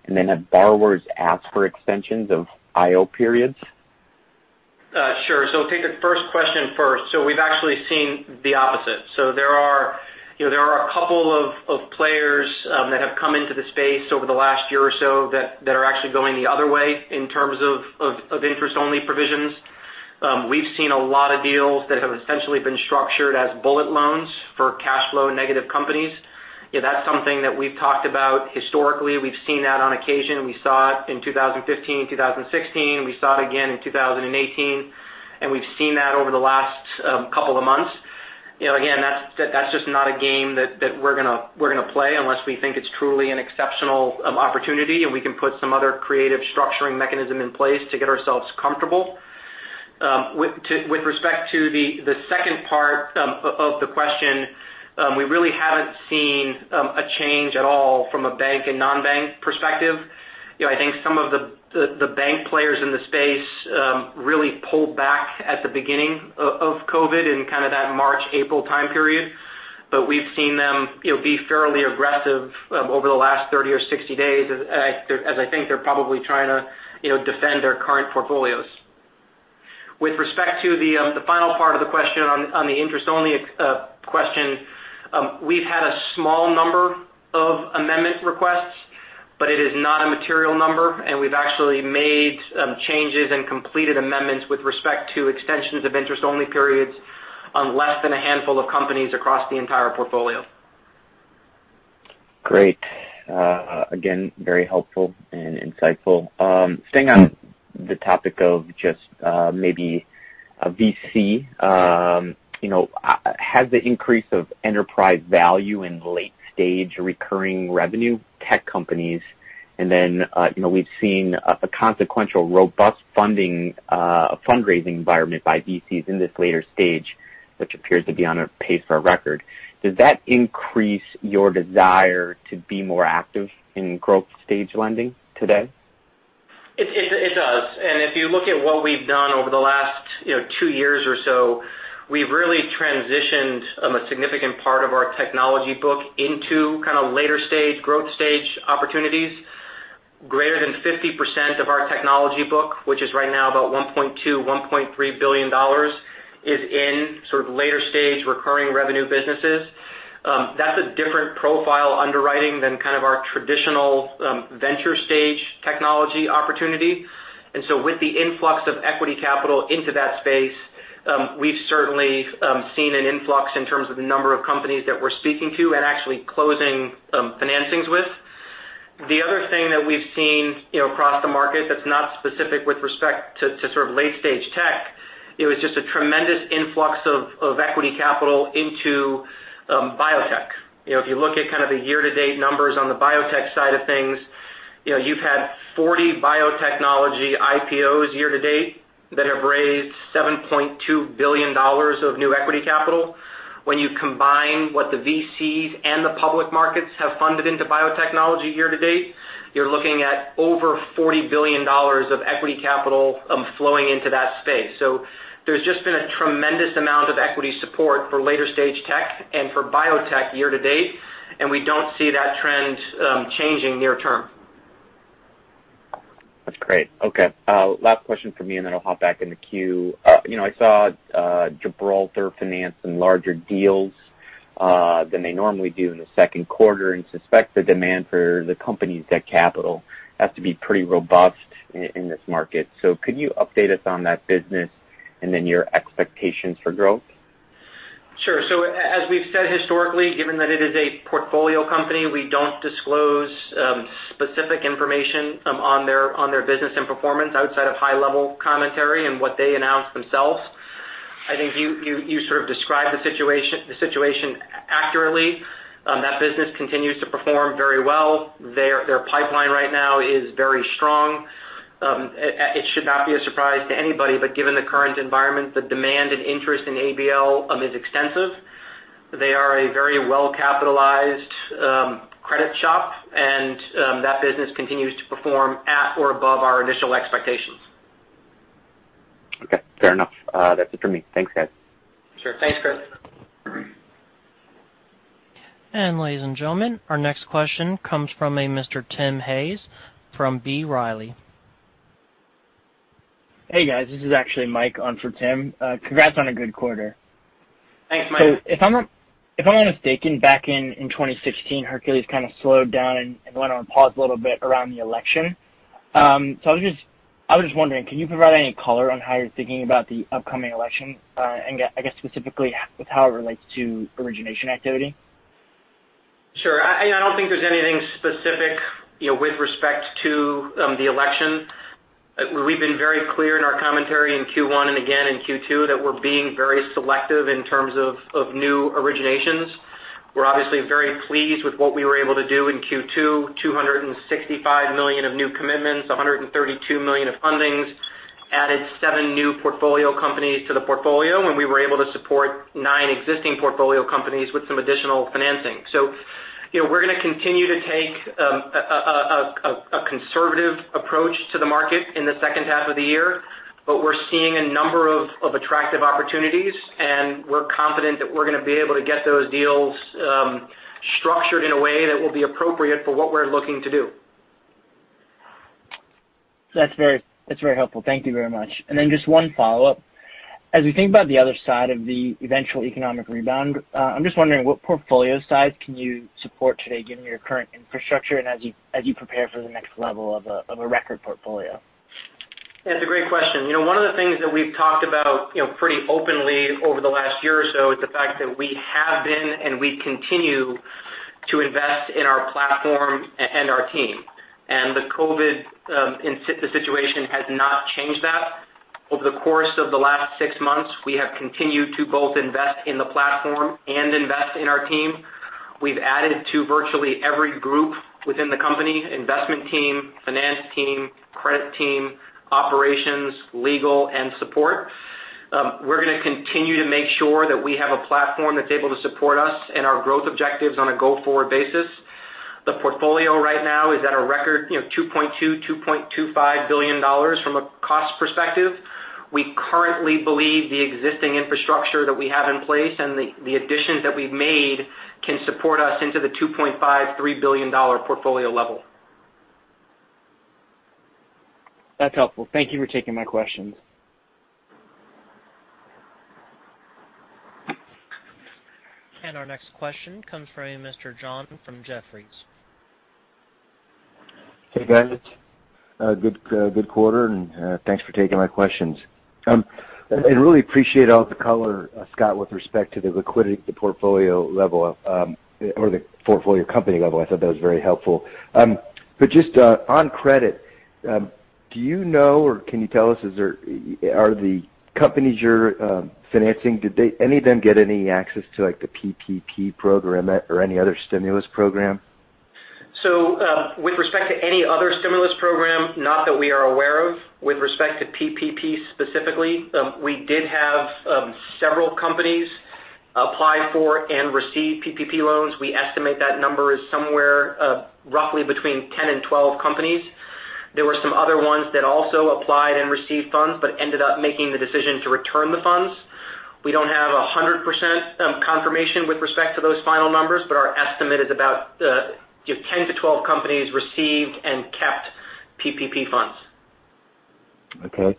Have borrowers asked for extensions of IO periods? Sure. I'll take the first question first. We've actually seen the opposite. There are a couple of players that have come into the space over the last year or so that are actually going the other way in terms of interest-only provisions. We've seen a lot of deals that have essentially been structured as bullet loans for cash flow-negative companies. That's something that we've talked about historically. We've seen that on occasion. We saw it in 2015, 2016. We saw it again in 2018, and we've seen that over the last couple of months. Again, that's just not a game that we're going to play unless we think it's truly an exceptional opportunity, and we can put some other creative structuring mechanism in place to get ourselves comfortable. With respect to the second part of the question, we really haven't seen a change at all from a bank and non-bank perspective. I think some of the bank players in the space really pulled back at the beginning of COVID in kind of that March, April time period. We've seen them be fairly aggressive over the last 30 or 60 days as I think they're probably trying to defend their current portfolios. With respect to the final part of the question on the interest-only question, we've had a small number of amendment requests, but it is not a material number, and we've actually made some changes and completed amendments with respect to extensions of interest-only periods on less than a handful of companies across the entire portfolio. Great. Again, very helpful and insightful. Staying on the topic of just maybe VC, has the increase of enterprise value in late-stage recurring revenue tech companies, and then we've seen a consequential robust fundraising environment by VCs in this later stage, which appears to be on a pace for a record. Does that increase your desire to be more active in growth stage lending today? It does. If you look at what we've done over the last two years or so, we've really transitioned a significant part of our technology book into kind of later stage, growth stage opportunities. Greater than 50% of our technology book, which is right now about $1.2 billion, $1.3 billion, is in sort of later stage recurring revenue businesses. That's a different profile underwriting than kind of our traditional venture stage technology opportunity. With the influx of equity capital into that space, we've certainly seen an influx in terms of the number of companies that we're speaking to and actually closing financings with. The other thing that we've seen across the market that's not specific with respect to sort of late stage tech, it was just a tremendous influx of equity capital into biotech. If you look at kind of the year-to-date numbers on the biotech side of things, you've had 40 biotechnology IPOs year to date that have raised $7.2 billion of new equity capital. When you combine what the VCs and the public markets have funded into biotechnology year to date, you're looking at over $40 billion of equity capital flowing into that space. There's just been a tremendous amount of equity support for later stage tech and for biotech year to date, and we don't see that trend changing near term. That's great. Okay. Last question from me, and then I'll hop back in the queue. I saw Gibraltar financing larger deals than they normally do in the second quarter and suspect the demand for the company's debt capital has to be pretty robust in this market. Could you update us on that business and then your expectations for growth? Sure. As we've said historically, given that it is a portfolio company, we don't disclose specific information on their business and performance outside of high-level commentary and what they announce themselves. I think you sort of described the situation accurately. That business continues to perform very well. Their pipeline right now is very strong. It should not be a surprise to anybody, but given the current environment, the demand and interest in ABL is extensive. They are a very well-capitalized credit shop, and that business continues to perform at or above our initial expectations. Okay. Fair enough. That's it for me. Thanks, guys. Sure. Thanks, Chris. Ladies and gentlemen, our next question comes from a Mr. Tim Hayes from B. Riley. Hey, guys. This is actually Mike on for Tim. Congrats on a good quarter. Thanks, Mike. If I'm not mistaken, back in 2016, Hercules kind of slowed down and went on pause a little bit around the election. I was just wondering, can you provide any color on how you're thinking about the upcoming election? I guess specifically with how it relates to origination activity. Sure. I don't think there's anything specific with respect to the election. We've been very clear in our commentary in Q1 and again in Q2 that we're being very selective in terms of new originations. We're obviously very pleased with what we were able to do in Q2, $265 million of new commitments, $132 million of fundings, added seven new portfolio companies to the portfolio, and we were able to support nine existing portfolio companies with some additional financing. We're going to continue to take a conservative approach to the market in the second half of the year, but we're seeing a number of attractive opportunities, and we're confident that we're going to be able to get those deals structured in a way that will be appropriate for what we're looking to do. That's very helpful. Thank you very much. Just one follow-up. As we think about the other side of the eventual economic rebound, I'm just wondering what portfolio size can you support today given your current infrastructure and as you prepare for the next level of a record portfolio? That's a great question. One of the things that we've talked about pretty openly over the last year or so is the fact that we have been, and we continue to invest in our platform and our team. The COVID situation has not changed that. Over the course of the last six months, we have continued to both invest in the platform and invest in our team. We've added to virtually every group within the company, investment team, finance team, credit team, operations, legal, and support. We're going to continue to make sure that we have a platform that's able to support us and our growth objectives on a go-forward basis. The portfolio right now is at a record $2.2 billion, $2.25 billion from a cost perspective. We currently believe the existing infrastructure that we have in place and the additions that we've made can support us into the $2.5 billion, $3 billion portfolio level. That's helpful. Thank you for taking my questions. Our next question comes from Mr. John from Jefferies. Hey, guys. A good quarter. Thanks for taking my questions. I really appreciate all the color, Scott, with respect to the liquidity at the portfolio level, or the portfolio company level. I thought that was very helpful. Just on credit, do you know, or can you tell us, are the companies you're financing, did any of them get any access to the PPP program or any other stimulus program? With respect to any other stimulus program, not that we are aware of. With respect to PPP specifically, we did have several companies apply for and receive PPP loans. We estimate that number is somewhere roughly between 10 and 12 companies. There were some other ones that also applied and received funds but ended up making the decision to return the funds. We don't have 100% confirmation with respect to those final numbers, but our estimate is about 10 to 12 companies received and kept PPP funds. Okay.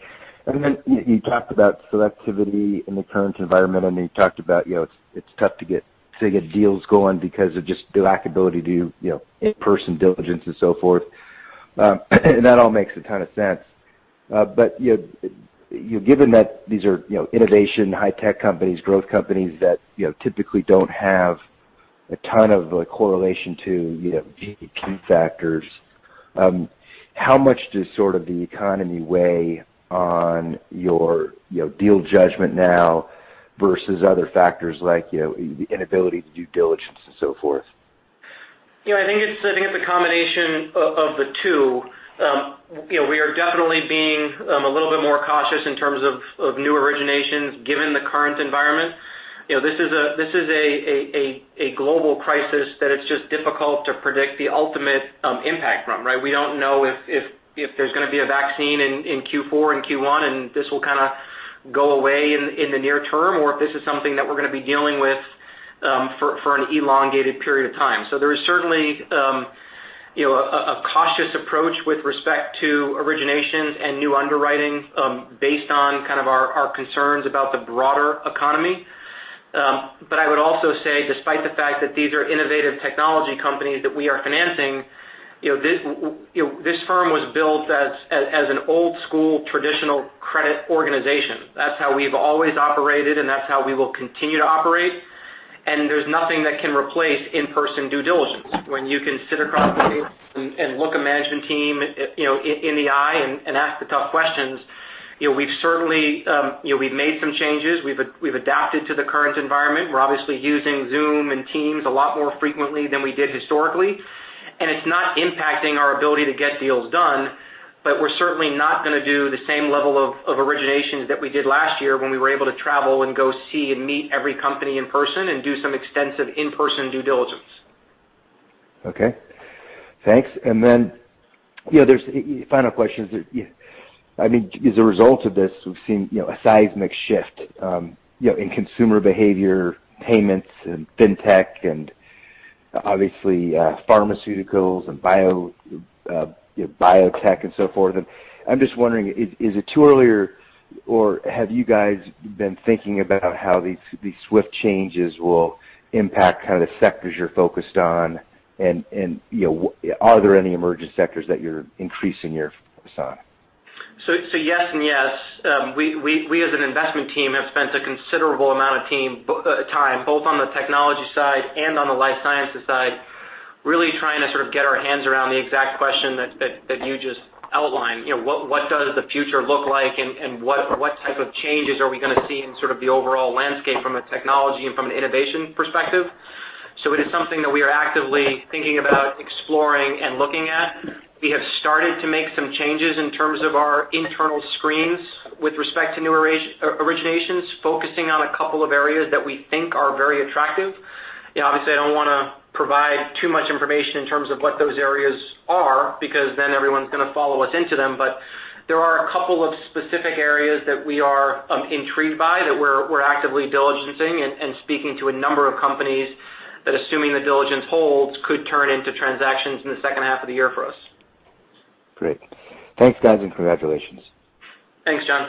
You talked about selectivity in the current environment, and then you talked about it's tough to get deals going because of just the lack of ability to do in-person diligence and so forth. That all makes a ton of sense. Given that these are innovation, high-tech companies, growth companies that typically don't have a ton of correlation to GDP factors, how much does sort of the economy weigh on your deal judgment now versus other factors like the inability to do diligence and so forth? I think it's a combination of the two. We are definitely being a little bit more cautious in terms of new originations given the current environment. This is a global crisis that it's just difficult to predict the ultimate impact from, right? We don't know if there's going to be a vaccine in Q4 and Q1, and this will kind of go away in the near term, or if this is something that we're going to be dealing with for an elongated period of time. There is certainly a cautious approach with respect to originations and new underwriting based on kind of our concerns about the broader economy. I would also say despite the fact that these are innovative technology companies that we are financing, this firm was built as an old school, traditional credit organization. That's how we've always operated, and that's how we will continue to operate. There's nothing that can replace in-person due diligence when you can sit across the table and look a management team in the eye and ask the tough questions. We've made some changes. We've adapted to the current environment. We're obviously using Zoom and Teams a lot more frequently than we did historically, and it's not impacting our ability to get deals done. We're certainly not going to do the same level of originations that we did last year when we were able to travel and go see and meet every company in person and do some extensive in-person due diligence. Okay. Thanks. There's final questions. As a result of this, we've seen a seismic shift in consumer behavior, payments, and fintech and obviously, pharmaceuticals and biotech and so forth. I'm just wondering, is it too early or have you guys been thinking about how these swift changes will impact the sectors you're focused on? Are there any emerging sectors that you're increasing your focus on? Yes and yes. We, as an investment team, have spent a considerable amount of time, both on the technology side and on the life sciences side, really trying to sort of get our hands around the exact question that you just outlined. What does the future look like and what type of changes are we going to see in sort of the overall landscape from a technology and from an innovation perspective? It is something that we are actively thinking about, exploring, and looking at. We have started to make some changes in terms of our internal screens with respect to new originations, focusing on a couple of areas that we think are very attractive. Obviously, I don't want to provide too much information in terms of what those areas are, because then everyone's going to follow us into them. There are a couple of specific areas that we are intrigued by, that we're actively diligencing and speaking to a number of companies that, assuming the diligence holds, could turn into transactions in the second half of the year for us. Great. Thanks, guys, and congratulations. Thanks, John.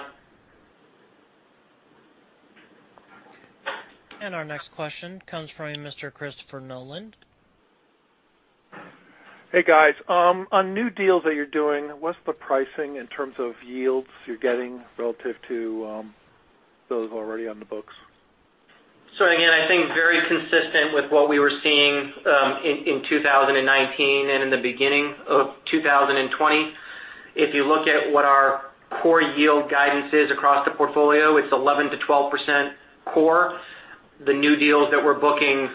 Our next question comes from Mr. Christopher Nolan. Hey, guys. On new deals that you're doing, what's the pricing in terms of yields you're getting relative to those already on the books? Again, I think very consistent with what we were seeing in 2019 and in the beginning of 2020. If you look at what our core yield guidance is across the portfolio, it's 11%-12% core. The new deals that we're booking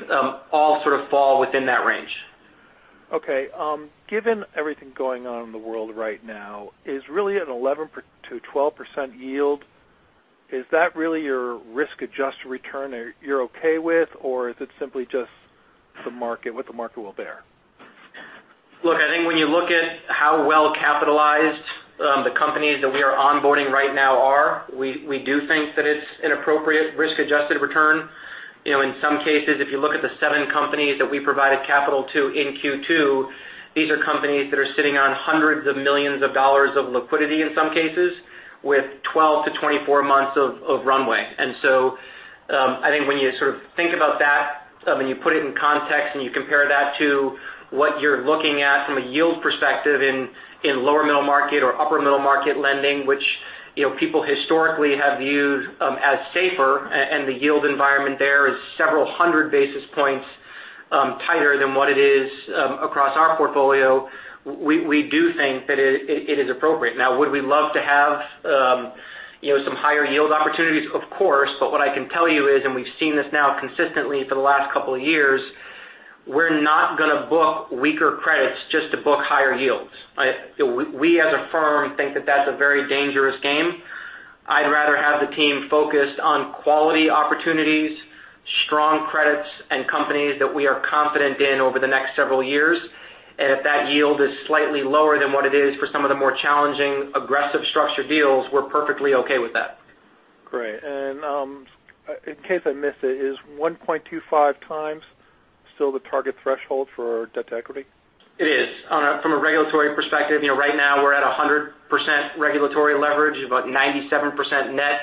all sort of fall within that range. Okay. Given everything going on in the world right now, is really an 11% to 12% yield, is that really your risk-adjusted return you're okay with, or is it simply just what the market will bear? Look, I think when you look at how well-capitalized the companies that we are onboarding right now are, we do think that it's an appropriate risk-adjusted return. In some cases, if you look at the seven companies that we provided capital to in Q2, these are companies that are sitting on hundreds of millions of dollars of liquidity in some cases, with 12-24 months of runway. I think when you sort of think about that and you put it in context and you compare that to what you're looking at from a yield perspective in lower middle market or upper middle market lending, which people historically have viewed as safer, and the yield environment there is several hundred basis points tighter than what it is across our portfolio. We do think that it is appropriate. Now, would we love to have some higher yield opportunities? Of course. What I can tell you is, we've seen this now consistently for the last couple of years, we're not going to book weaker credits just to book higher yields. We, as a firm, think that that's a very dangerous game. I'd rather have the team focused on quality opportunities, strong credits, and companies that we are confident in over the next several years. If that yield is slightly lower than what it is for some of the more challenging, aggressive structured deals, we're perfectly okay with that. Great, in case I missed it, is 1.25x still the target threshold for debt to equity? It is. From a regulatory perspective, right now we're at 100% regulatory leverage, about 97% net,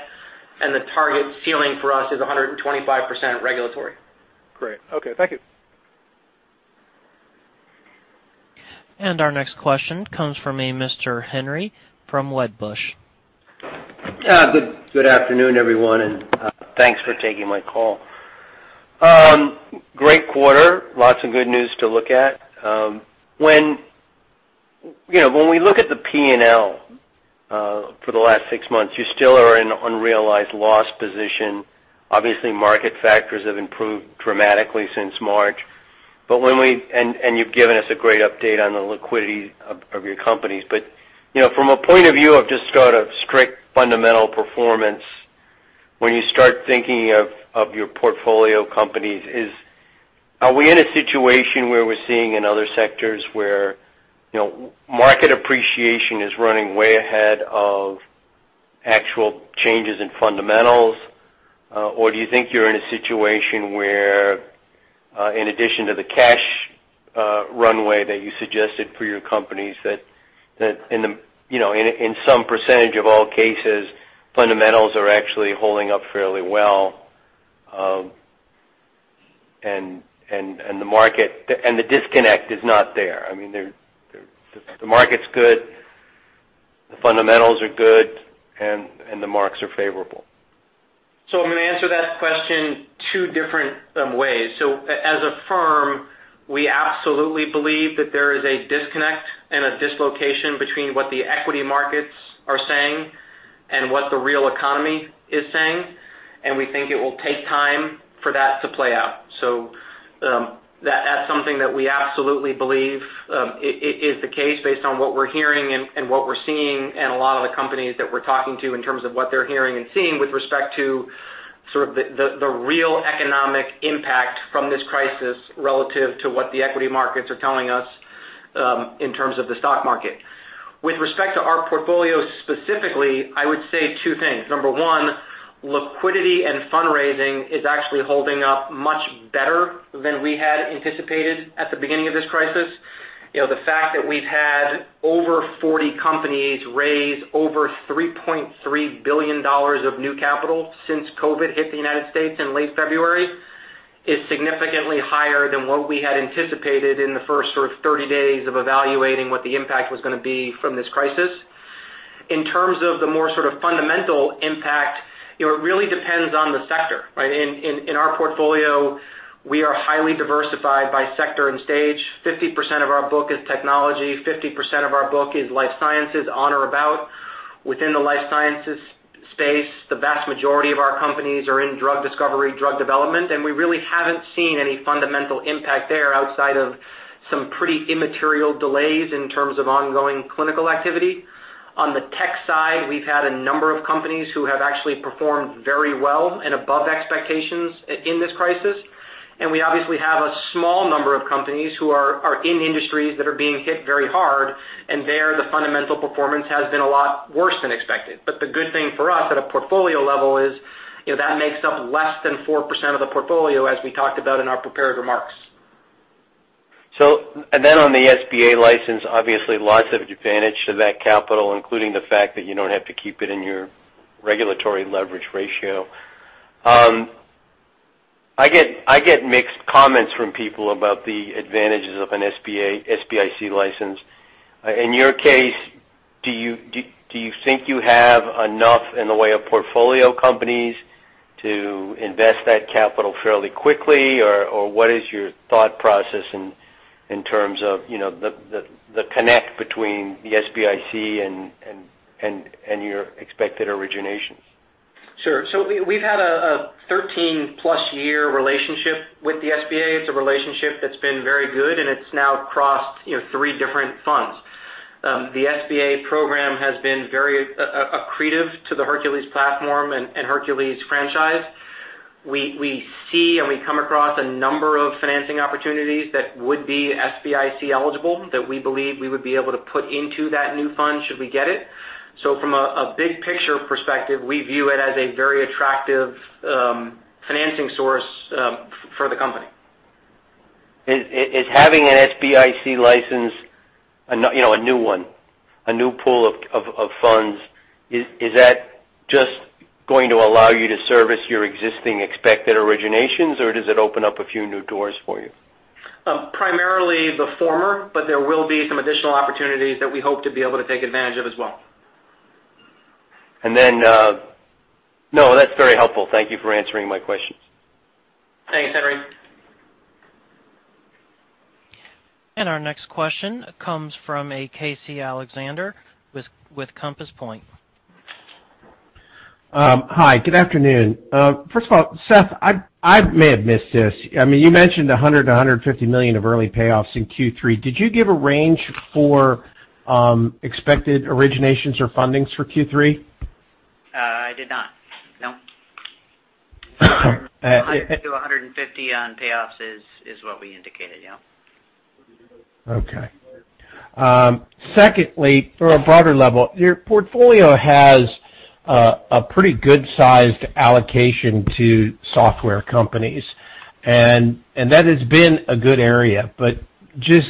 and the target ceiling for us is 125% regulatory. Great. Okay. Thank you. Our next question comes from a Mr. Henry from Wedbush. Good afternoon, everyone, and thanks for taking my call. Great quarter. Lots of good news to look at. When we look at the P&L for the last six months, you still are in unrealized loss position. Obviously, market factors have improved dramatically since March. You've given us a great update on the liquidity of your companies. From a point of view of just sort of strict fundamental performance, when you start thinking of your portfolio companies, are we in a situation where we're seeing in other sectors where market appreciation is running way ahead of actual changes in fundamentals? Do you think you're in a situation where, in addition to the cash runway that you suggested for your companies, that in some percentage of all cases, fundamentals are actually holding up fairly well and the disconnect is not there? I mean, the market's good. The fundamentals are good, and the marks are favorable. I'm going to answer that question two different ways. As a firm, we absolutely believe that there is a disconnect and a dislocation between what the equity markets are saying and what the real economy is saying. We think it will take time for that to play out. That's something that we absolutely believe is the case based on what we're hearing and what we're seeing, and a lot of the companies that we're talking to in terms of what they're hearing and seeing with respect to sort of the real economic impact from this crisis relative to what the equity markets are telling us in terms of the stock market. With respect to our portfolio specifically, I would say two things. Number one, liquidity and fundraising is actually holding up much better than we had anticipated at the beginning of this crisis. The fact that we've had over 40 companies raise over $3.3 billion of new capital since COVID-19 hit the U.S. in late February, is significantly higher than what we had anticipated in the first sort of 30 days of evaluating what the impact was going to be from this crisis. In terms of the more sort of fundamental impact, it really depends on the sector, right? In our portfolio, we are highly diversified by sector and stage. 50% of our book is technology, 50% of our book is life sciences on or about. Within the life sciences space, the vast majority of our companies are in drug discovery, drug development, and we really haven't seen any fundamental impact there outside of some pretty immaterial delays in terms of ongoing clinical activity. On the tech side, we've had a number of companies who have actually performed very well and above expectations in this crisis. We obviously have a small number of companies who are in industries that are being hit very hard, and there, the fundamental performance has been a lot worse than expected. The good thing for us at a portfolio level is, that makes up less than 4% of the portfolio, as we talked about in our prepared remarks. On the SBA license, obviously lots of advantage to that capital, including the fact that you don't have to keep it in your regulatory leverage ratio. I get mixed comments from people about the advantages of an SBIC license. In your case, do you think you have enough in the way of portfolio companies to invest that capital fairly quickly, or what is your thought process in terms of the connect between the SBIC and your expected originations? Sure. We've had a 13+ year relationship with the SBA. It's a relationship that's been very good, and it's now crossed three different funds. The SBA program has been very accretive to the Hercules platform and Hercules franchise. We see and we come across a number of financing opportunities that would be SBIC eligible that we believe we would be able to put into that new fund should we get it. From a big picture perspective, we view it as a very attractive financing source for the company. Is having an SBIC license, a new one, a new pool of funds, is that just going to allow you to service your existing expected originations, or does it open up a few new doors for you? Primarily the former, but there will be some additional opportunities that we hope to be able to take advantage of as well. No, that's very helpful. Thank you for answering my questions. Thanks, Henry. Our next question comes from a Casey Alexander with Compass Point. Hi, good afternoon. First of all, Seth, I may have missed this. You mentioned $100 million-$150 million of early payoffs in Q3. Did you give a range for expected originations or fundings for Q3? I did not. No. $100 million-$150 million on payoffs is what we indicated, yeah. Okay. Secondly, for a broader level, your portfolio has a pretty good-sized allocation to software companies, and that has been a good area. Just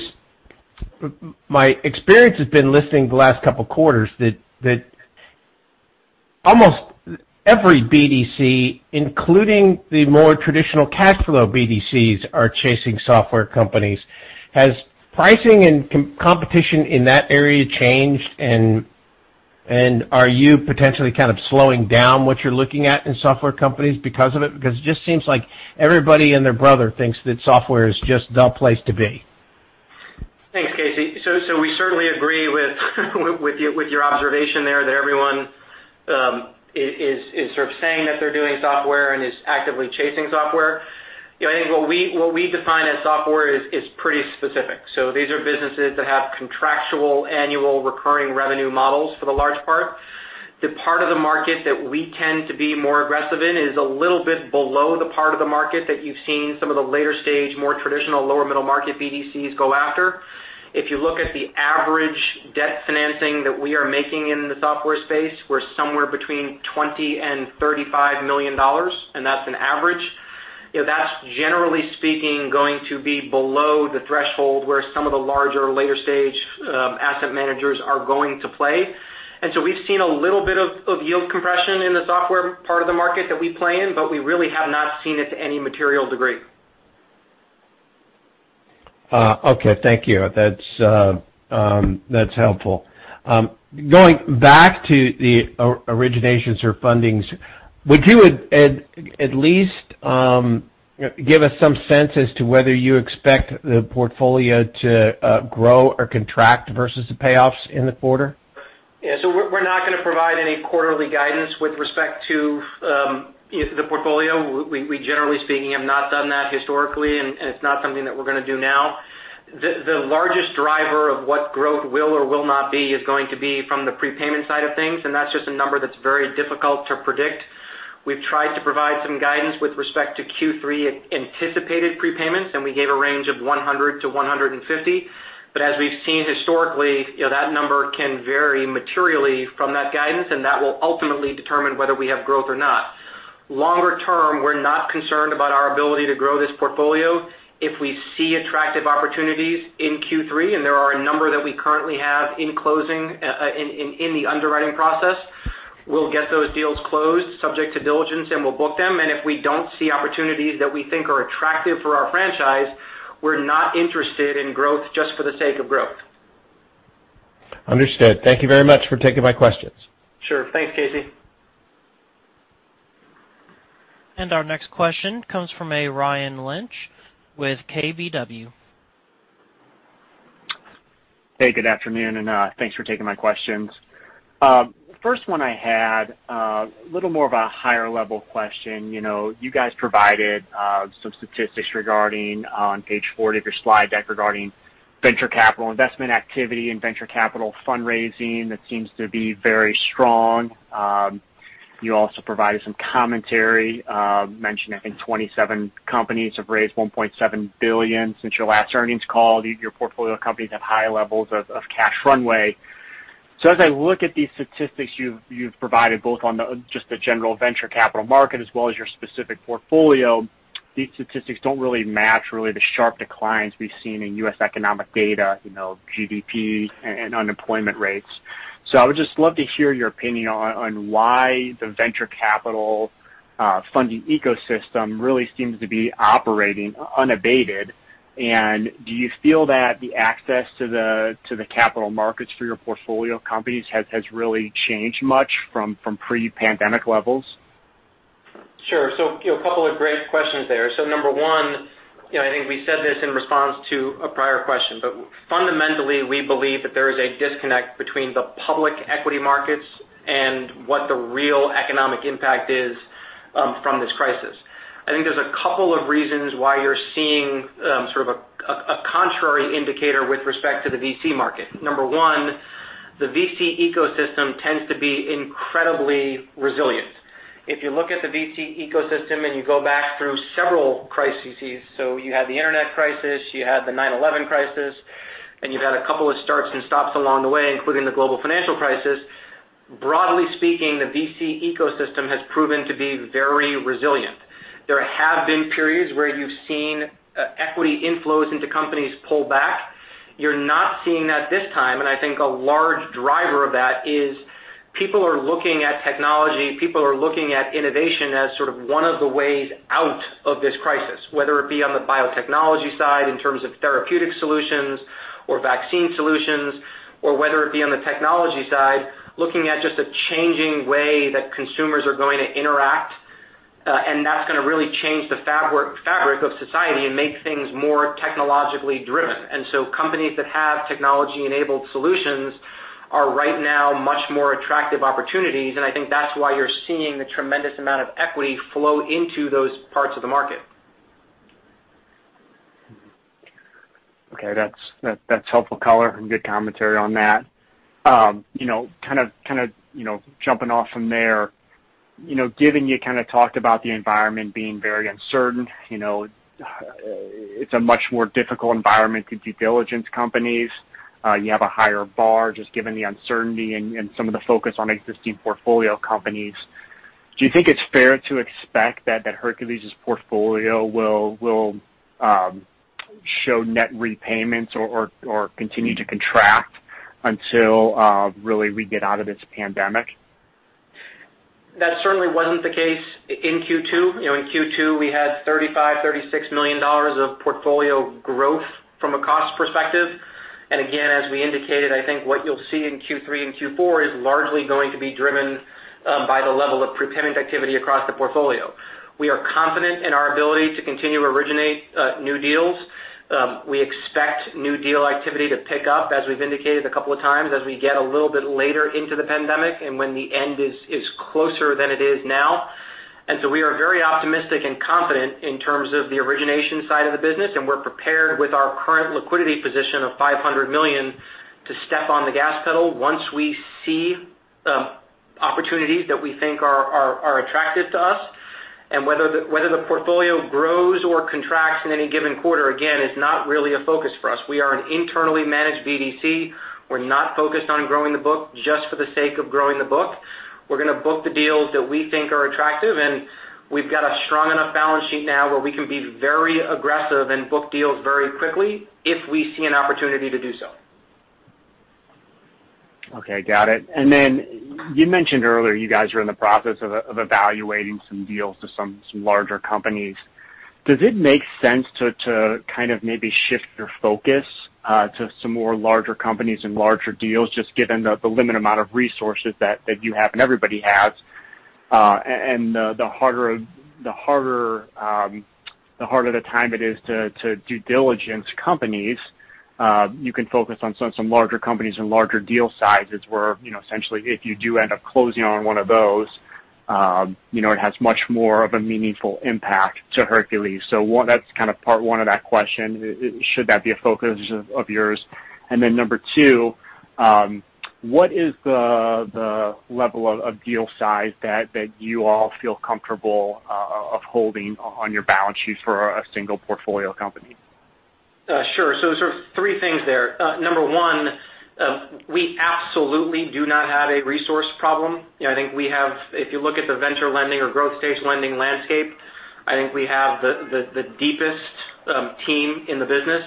my experience has been listening the last couple of quarters that almost every BDC, including the more traditional cash flow BDCs, are chasing software companies. Has pricing and competition in that area changed, and are you potentially kind of slowing down what you're looking at in software companies because of it? It just seems like everybody and their brother thinks that software is just the place to be. Thanks, Casey. We certainly agree with your observation there that everyone is sort of saying that they're doing software and is actively chasing software. I think what we define as software is pretty specific. These are businesses that have contractual annual recurring revenue models for the large part. The part of the market that we tend to be more aggressive in is a little bit below the part of the market that you've seen some of the later stage, more traditional, lower middle market BDCs go after. If you look at the average debt financing that we are making in the software space, we're somewhere between $20 million and $35 million, and that's an average. That's generally speaking going to be below the threshold where some of the larger later stage asset managers are going to play. We've seen a little bit of yield compression in the software part of the market that we play in, but we really have not seen it to any material degree. Okay. Thank you. That's helpful. Going back to the originations or fundings, would you at least give us some sense as to whether you expect the portfolio to grow or contract versus the payoffs in the quarter? Yeah. We're not going to provide any quarterly guidance with respect to the portfolio. We, generally speaking, have not done that historically, and it's not something that we're going to do now. The largest driver of what growth will or will not be is going to be from the prepayment side of things, and that's just a number that's very difficult to predict. We've tried to provide some guidance with respect to Q3 anticipated prepayments, and we gave a range of $100 million-$150 million. As we've seen historically, that number can vary materially from that guidance, and that will ultimately determine whether we have growth or not. Longer term, we're not concerned about our ability to grow this portfolio. If we see attractive opportunities in Q3, and there are a number that we currently have in the underwriting process, we'll get those deals closed, subject to diligence, and we'll book them. If we don't see opportunities that we think are attractive for our franchise, we're not interested in growth just for the sake of growth. Understood. Thank you very much for taking my questions. Sure. Thanks, Casey. Our next question comes from a Ryan Lynch with KBW. Good afternoon, thanks for taking my questions. First one I had, a little more of a higher level question. You guys provided some statistics regarding on page 40 of your slide deck regarding venture capital investment activity and venture capital fundraising. That seems to be very strong. You also provided some commentary, mentioning, I think, 27 companies have raised $1.7 billion since your last earnings call. Your portfolio companies have high levels of cash runway. As I look at these statistics you've provided, both on just the general venture capital market as well as your specific portfolio, these statistics don't really match really the sharp declines we've seen in U.S. economic data, GDP and unemployment rates. I would just love to hear your opinion on why the venture capital funding ecosystem really seems to be operating unabated. Do you feel that the access to the capital markets for your portfolio companies has really changed much from pre-pandemic levels? Sure. A couple of great questions there. Number one, I think we said this in response to a prior question, but fundamentally, we believe that there is a disconnect between the public equity markets and what the real economic impact is from this crisis. I think there's a couple of reasons why you're seeing sort of a contrary indicator with respect to the VC market. Number one, the VC ecosystem tends to be incredibly resilient. If you look at the VC ecosystem and you go back through several crises, so you had the internet crisis, you had the 9/11 crisis, and you've had a couple of starts and stops along the way, including the global financial crisis. Broadly speaking, the VC ecosystem has proven to be very resilient. There have been periods where you've seen equity inflows into companies pull back. You're not seeing that this time. I think a large driver of that is people are looking at technology, people are looking at innovation as sort of one of the ways out of this crisis, whether it be on the biotechnology side in terms of therapeutic solutions or vaccine solutions, or whether it be on the technology side, looking at just a changing way that consumers are going to interact. That's going to really change the fabric of society and make things more technologically driven. Companies that have technology-enabled solutions are right now much more attractive opportunities, and I think that's why you're seeing the tremendous amount of equity flow into those parts of the market. Okay. That's helpful color and good commentary on that. Kind of jumping off from there. Given you kind of talked about the environment being very uncertain, it's a much more difficult environment to due diligence companies. You have a higher bar just given the uncertainty and some of the focus on existing portfolio companies. Do you think it's fair to expect that Hercules's portfolio will show net repayments or continue to contract until really we get out of this pandemic? That certainly wasn't the case in Q2. In Q2, we had $35 million, $36 million of portfolio growth from a cost perspective. Again, as we indicated, I think what you'll see in Q3 and Q4 is largely going to be driven by the level of prepayment activity across the portfolio. We are confident in our ability to continue to originate new deals. We expect new deal activity to pick up, as we've indicated a couple of times, as we get a little bit later into the pandemic and when the end is closer than it is now. We are very optimistic and confident in terms of the origination side of the business, and we're prepared with our current liquidity position of $500 million to step on the gas pedal once we see opportunities that we think are attractive to us. Whether the portfolio grows or contracts in any given quarter, again, is not really a focus for us. We are an internally managed BDC. We're not focused on growing the book just for the sake of growing the book. We're going to book the deals that we think are attractive, and we've got a strong enough balance sheet now where we can be very aggressive and book deals very quickly if we see an opportunity to do so. Okay, got it. You mentioned earlier you guys are in the process of evaluating some deals to some larger companies. Does it make sense to maybe shift your focus to some more larger companies and larger deals, just given the limited amount of resources that you have and everybody has? The harder the time it is to due diligence companies, you can focus on some larger companies and larger deal sizes where essentially if you do end up closing on one of those, it has much more of a meaningful impact to Hercules. That's part one of that question, should that be a focus of yours? Number two, what is the level of deal size that you all feel comfortable of holding on your balance sheet for a single portfolio company? Sure. There's three things there. Number one, we absolutely do not have a resource problem. I think we have, if you look at the venture lending or growth stage lending landscape, I think we have the deepest team in the business.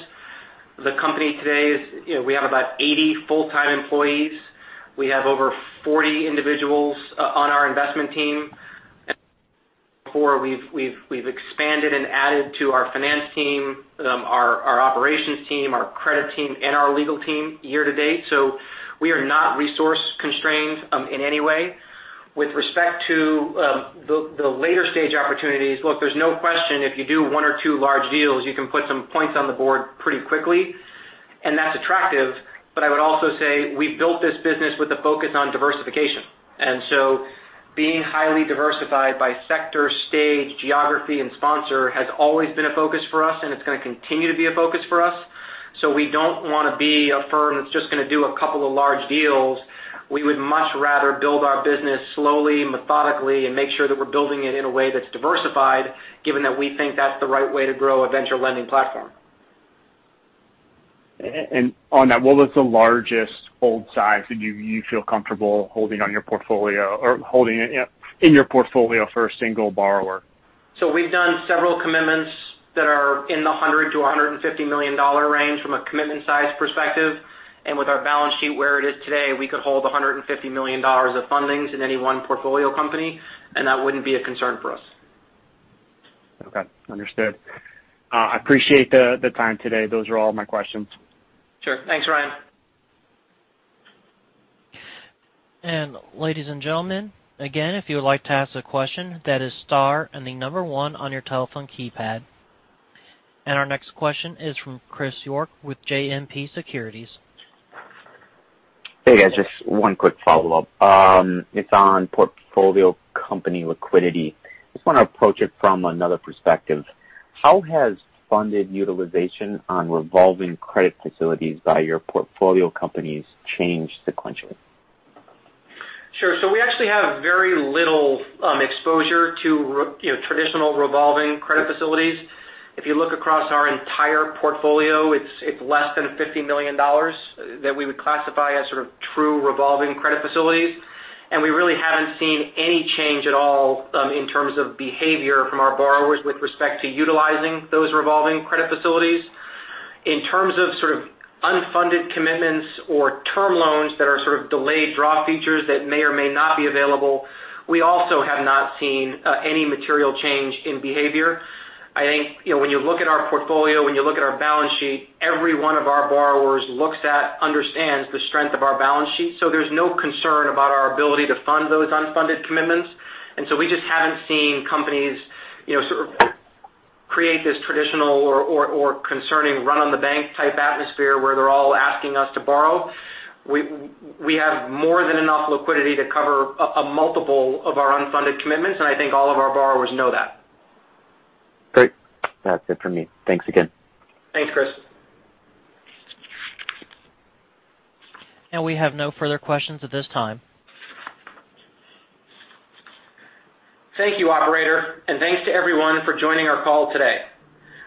The company today is, we have about 80 full-time employees. We have over 40 individuals on our investment team. We've expanded and added to our finance team, our operations team, our credit team, and our legal team year to date. We are not resource constrained in any way. With respect to the later stage opportunities, look, there's no question if you do one or two large deals, you can put some points on the board pretty quickly, and that's attractive, but I would also say we built this business with a focus on diversification. Being highly diversified by sector, stage, geography, and sponsor has always been a focus for us, and it's going to continue to be a focus for us. We don't want to be a firm that's just going to do a couple of large deals. We would much rather build our business slowly, methodically, and make sure that we're building it in a way that's diversified, given that we think that's the right way to grow a venture lending platform. On that, what was the largest hold size that you feel comfortable holding on your portfolio or holding in your portfolio for a single borrower? We've done several commitments that are in the $100 million-$150 million range from a commitment size perspective. With our balance sheet where it is today, we could hold $150 million of fundings in any one portfolio company, and that wouldn't be a concern for us. Okay, understood. I appreciate the time today. Those are all my questions. Sure. Thanks, Ryan. Ladies and gentlemen, again, if you would like to ask a question, that is star and the number 1 on your telephone keypad. Our next question is from Chris York with JMP Securities. Hey, guys, just one quick follow-up. It's on portfolio company liquidity. Just want to approach it from another perspective. How has funded utilization on revolving credit facilities by your portfolio companies changed sequentially? Sure. We actually have very little exposure to traditional revolving credit facilities. If you look across our entire portfolio, it's less than $50 million that we would classify as sort of true revolving credit facilities. We really haven't seen any change at all in terms of behavior from our borrowers with respect to utilizing those revolving credit facilities. In terms of sort of unfunded commitments or term loans that are sort of delayed draw features that may or may not be available, we also have not seen any material change in behavior. I think when you look at our portfolio, when you look at our balance sheet, every one of our borrowers understands the strength of our balance sheet. There's no concern about our ability to fund those unfunded commitments. We just haven't seen companies sort of create this traditional or concerning run-on-the-bank type atmosphere where they're all asking us to borrow. We have more than enough liquidity to cover up multiple of our unfunded commitments, and I think all of our borrowers know that. Great. That's it for me. Thanks again. Thanks, Chris. We have no further questions at this time. Thank you, operator, and thanks to everyone for joining our call today.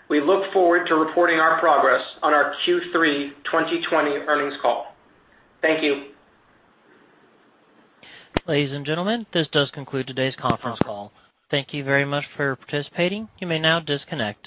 We look forward to reporting our progress on our Q3 2020 earnings call. Thank you. Ladies and gentlemen, this does conclude today's conference call. Thank you very much for participating. You may now disconnect.